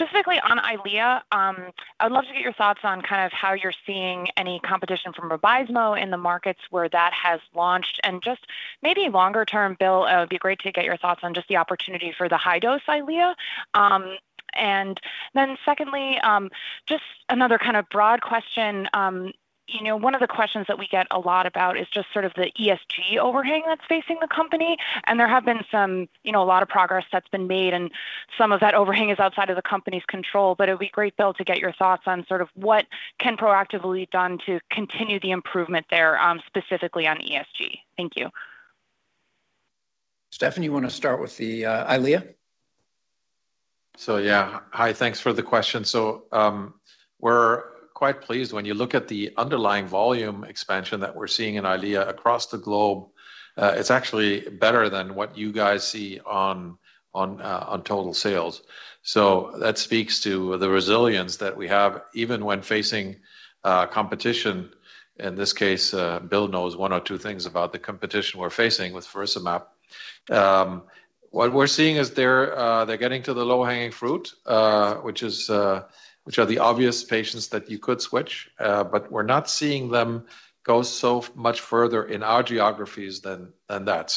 Specifically on EYLEA, I would love to get your thoughts on kind of how you're seeing any competition from Vabysmo in the markets where that has launched. Just maybe longer term, Bill, it would be great to get your thoughts on just the opportunity for the high-dose EYLEA. Secondly, just another kind of broad question. You know, one of the questions that we get a lot about is just sort of the ESG overhang that's facing the company, and there have been some, you know, a lot of progress that's been made, and some of that overhang is outside of the company's control. It would be great, Bill, to get your thoughts on sort of what can proactively be done to continue the improvement there, specifically on ESG. Thank you. Stefan, you want to start with the EYLEA? Yeah. Hi, thanks for the question. We're quite pleased when you look at the underlying volume expansion that we're seeing in EYLEA across the globe, it's actually better than what you guys see on, on total sales. That speaks to the resilience that we have, even when facing competition. In this case, Bill knows one or two things about the competition we're facing with faricimab. What we're seeing is they're getting to the low-hanging fruit, which is, which are the obvious patients that you could switch. We're not seeing them go so much further in our geographies than, than that.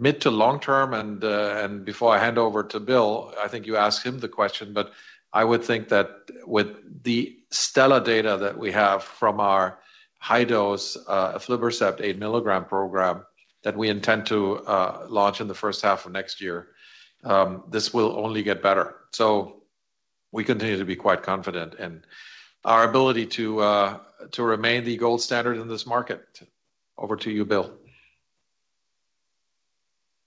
Mid to long term, and before I hand over to Bill, I think you asked him the question, but I would think that with the stellar data that we have from our high-dose aflibercept 8 milligram program that we intend to launch in the first half of next year, this will only get better. We continue to be quite confident in our ability to remain the gold standard in this market. Over to you, Bill.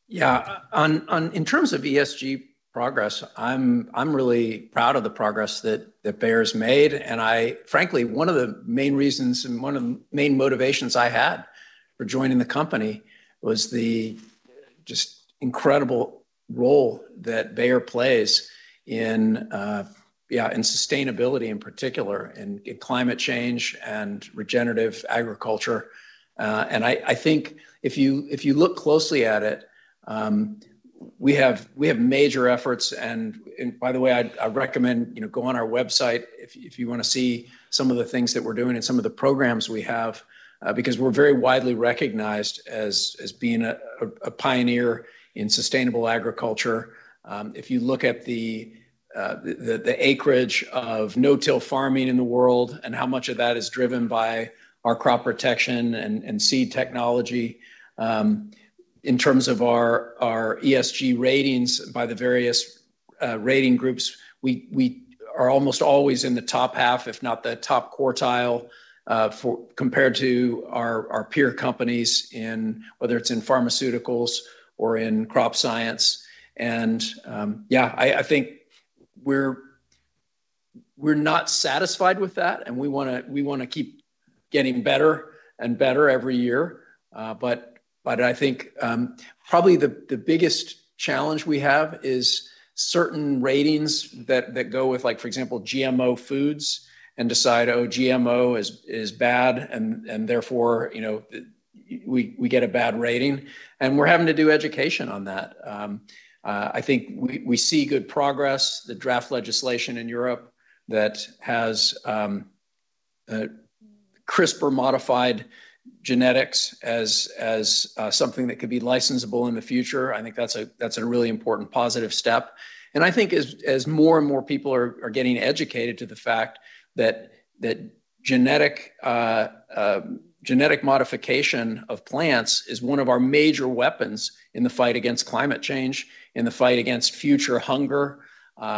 Yeah. In terms of ESG progress, I'm really proud of the progress that Bayer made, frankly, one of the main reasons and one of the main motivations I had for joining the company was the just incredible role that Bayer plays in, yeah, in sustainability in particular, in climate change and regenerative agriculture. I think if you look closely at it, we have major efforts, by the way, I recommend, you know, go on our website if you want to see some of the things that we're doing and some of the programs we have, because we're very widely recognized as being a pioneer in sustainable agriculture. If you look at the, the acreage of no-till farming in the world and how much of that is driven by our crop protection and, and seed technology. In terms of our, our ESG ratings by the various rating groups, we, we are almost always in the top half, if not the top quartile, compared to our, our peer companies in whether it's in Pharmaceuticals or in Crop Science. Yeah, I, I think we're, we're not satisfied with that, and we wanna, we wanna keep getting better and better every year. I think, probably the biggest challenge we have is certain ratings that go with, like, for example, GMO foods and decide, oh, GMO is bad, and therefore, you know, we get a bad rating, and we're having to do education on that. I think we see good progress. The draft legislation in Europe that has CRISPR modified genetics as something that could be licensable in the future. I think that's a really important positive step. I think as more and more people are getting educated to the fact that genetic modification of plants is one of our major weapons in the fight against climate change, in the fight against future hunger,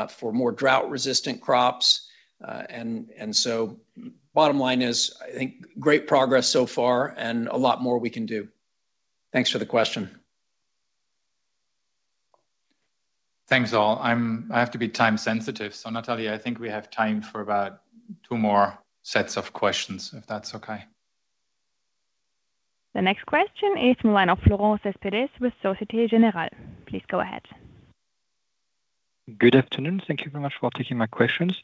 for more drought-resistant crops. Bottom line is, I think great progress so far and a lot more we can do. Thanks for the question. Thanks, all. I have to be time sensitive. Natalie, I think we have time for about two more sets of questions, if that's okay. The next question is from the line of Florent Cespedes with Société Générale. Please go ahead. Good afternoon. Thank you very much for taking my questions.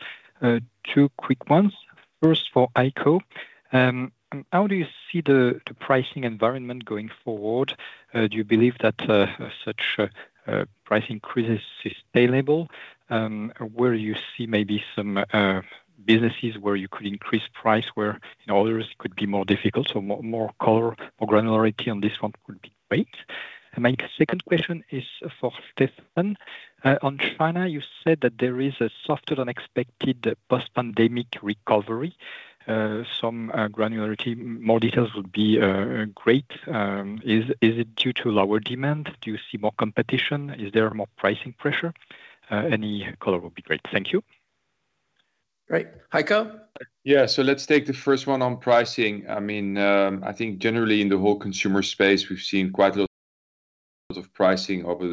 Two quick ones. First, for Heiko, how do you see the the pricing environment going forward? Do you believe that such price increases is sustainable? Where do you see maybe some businesses where you could increase price, where, you know, others could be more difficult? More more color, more granularity on this one would be great. My second question is for Stefan. On China, you said that there is a softer than expected post-pandemic recovery. Some granularity, more details would be great. Is it due to lower demand? Do you see more competition? Is there more pricing pressure? Any color would be great. Thank you. Great. Heiko? Yeah. Let's take the first one on pricing. I mean, I think generally in the whole consumer space, we've seen quite a lot of pricing over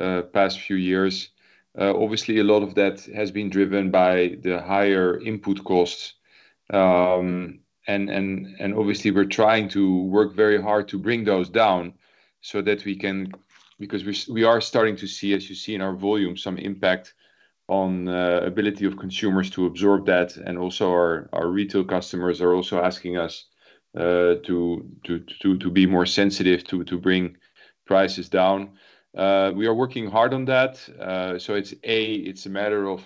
the past few years. Obviously, a lot of that has been driven by the higher input costs. And obviously, we're trying to work very hard to bring those down because we, we are starting to see, as you see in our volume, some impact on ability of consumers to absorb that. Also our, our retail customers are also asking us to be more sensitive to bring prices down. We are working hard on that. It's, A, it's a matter of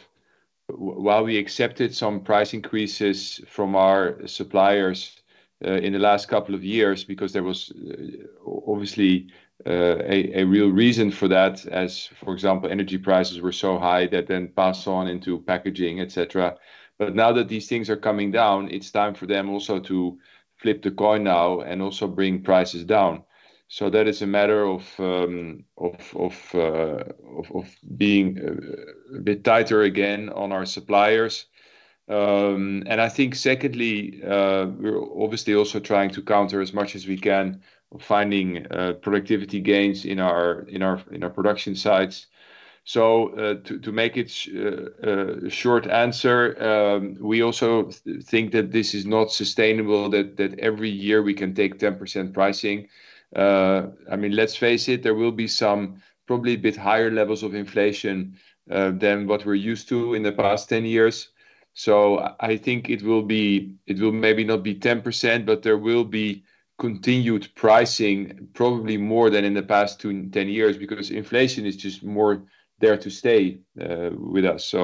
while we accepted some price increases from our suppliers, in the last couple of years, because there was obviously a real reason for that, as, for example, energy prices were so high that then passed on into packaging, et cetera. Now that these things are coming down, it's time for them also to flip the coin now and also bring prices down. That is a matter of being a bit tighter again on our suppliers. I think secondly, we're obviously also trying to counter as much as we can, finding productivity gains in our, in our, in our production sites. To make it a short answer, we also think that this is not sustainable, that every year we can take 10% pricing. I mean, let's face it, there will be some probably a bit higher levels of inflation than what we're used to in the past 10 years. I think it will maybe not be 10%, but there will be continued pricing, probably more than in the past 10 years, because inflation is just more there to stay with us.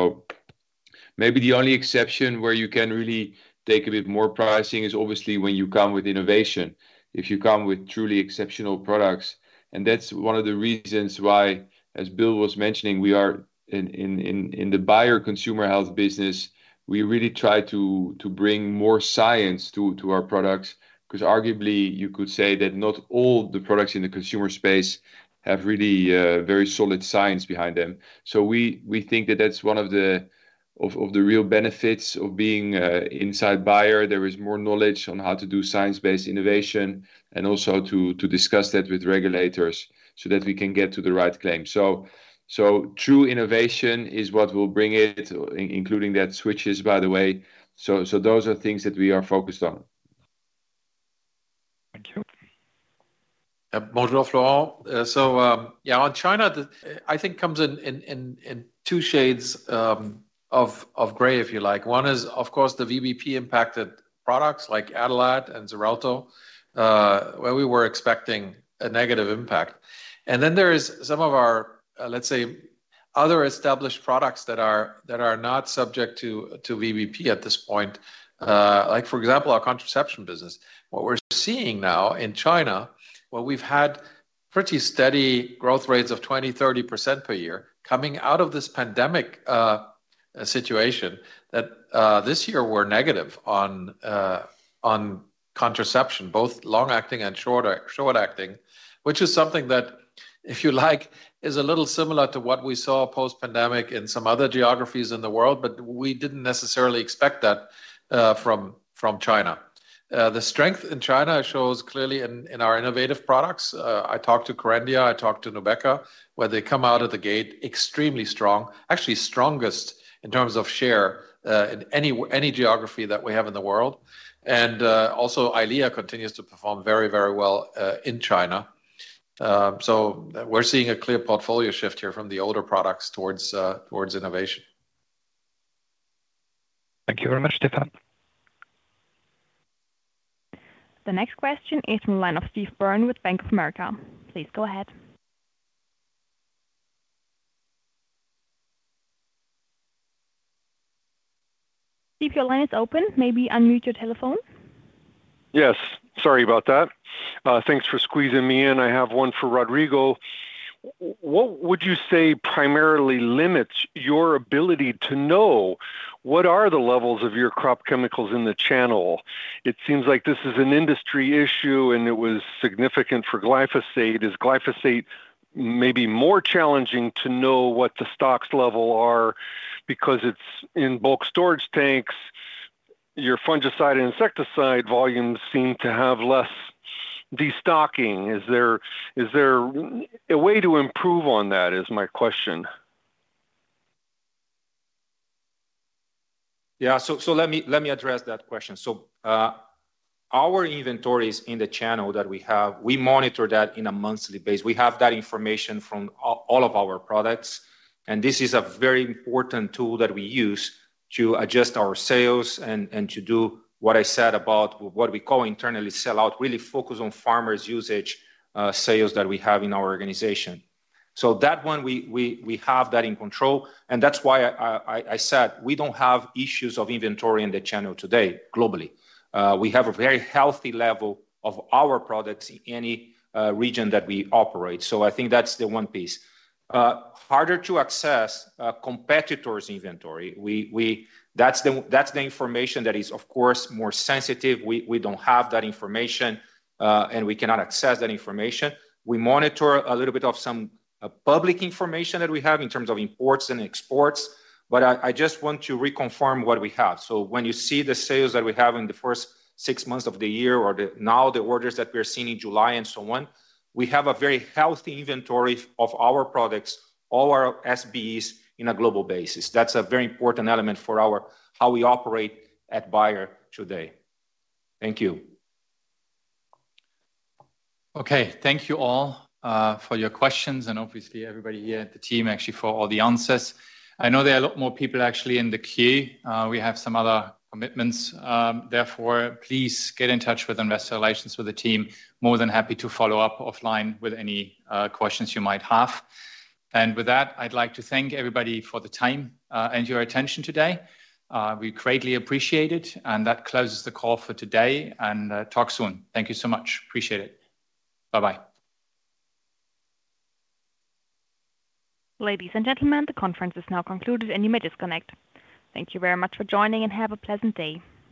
Maybe the only exception where you can really take a bit more pricing is obviously when you come with innovation, if you come with truly exceptional products. That's one of the reasons why, as Bill was mentioning, we are in the Bayer Consumer Health business, we really try to bring more science to our products, 'cause arguably, you could say that not all the products in the consumer space have really very solid science behind them. We think that that's one of the real benefits of being inside Bayer. There is more knowledge on how to do science-based innovation and also to discuss that with regulators so that we can get to the right claim. True innovation is what will bring it, including that switches, by the way. Those are things that we are focused on. Thank you. Modular flow. So, yeah, on China, I think comes in, in, in, in two shades, of, of gray, if you like. One is, of course, the VBP-impacted products like Adalat and Xarelto, where we were expecting a negative impact. There is some of our, let's say, other established products that are, that are not subject to, to VBP at this point, like, for example, our contraception business. What we're seeing now in China, where we've had pretty steady growth rates of 20%, 30% per year coming out of this pandemic situation, that this year were negative on contraception, both long-acting and shorter- short-acting, which is something that, if you like, is a little similar to what we saw post-pandemic in some other geographies in the world, but we didn't necessarily expect that from China. The strength in China shows clearly in our innovative products. I talked to Kerendia, I talked to Nubeqa, where they come out of the gate extremely strong, actually strongest in terms of share, in any w- any geography that we have in the world. Also, EYLEA continues to perform very, very well in China. We're seeing a clear portfolio shift here from the older products towards, towards innovation. Thank you very much, Stefan. The next question is from the line of Steve with Bank of America. Please go ahead. Steve, your line is open, maybe unmute your telephone. Yes, sorry about that. Thanks for squeezing me in. I have one for Rodrigo. What would you say primarily limits your ability to know what are the levels of your crop chemicals in the channel? It seems like this is an industry issue, and it was significant for glyphosate. Is glyphosate maybe more challenging to know what the stocks level are because it's in bulk storage tanks? Your fungicide and insecticide volumes seem to have less destocking. Is there a way to improve on that, is my question. Yeah, so, so let me, let me address that question. Our inventories in the channel that we have, we monitor that in a monthly base. We have that information from all of our products, and this is a very important tool that we use to adjust our sales and, and to do what I said about what we call internally, sellout, really focus on farmers' usage, sales that we have in our organization. That one, we, we, we have that in control, and that's why I, I, I said we don't have issues of inventory in the channel today, globally. We have a very healthy level of our products in any region that we operate. I think that's the one piece. Harder to access, competitors' inventory. That's the, that's the information that is, of course, more sensitive. We don't have that information, and we cannot access that information. We monitor a little bit of some public information that we have in terms of imports and exports, but I just want to reconfirm what we have. When you see the sales that we have in the first six months of the year or now the orders that we are seeing in July and so on, we have a very healthy inventory of our products, all our SBEs, in a global basis. That's a very important element for our how we operate at Bayer today. Thank you. Okay. Thank you all for your questions and obviously everybody here at the team, actually, for all the answers. I know there are a lot more people actually in the queue. We have some other commitments, therefore, please get in touch with investor relations, with the team. More than happy to follow up offline with any questions you might have. With that, I'd like to thank everybody for the time and your attention today. We greatly appreciate it, and that closes the call for today, and talk soon. Thank you so much. Appreciate it. Bye-bye. Ladies and gentlemen, the conference is now concluded. You may disconnect. Thank you very much for joining. Have a pleasant day.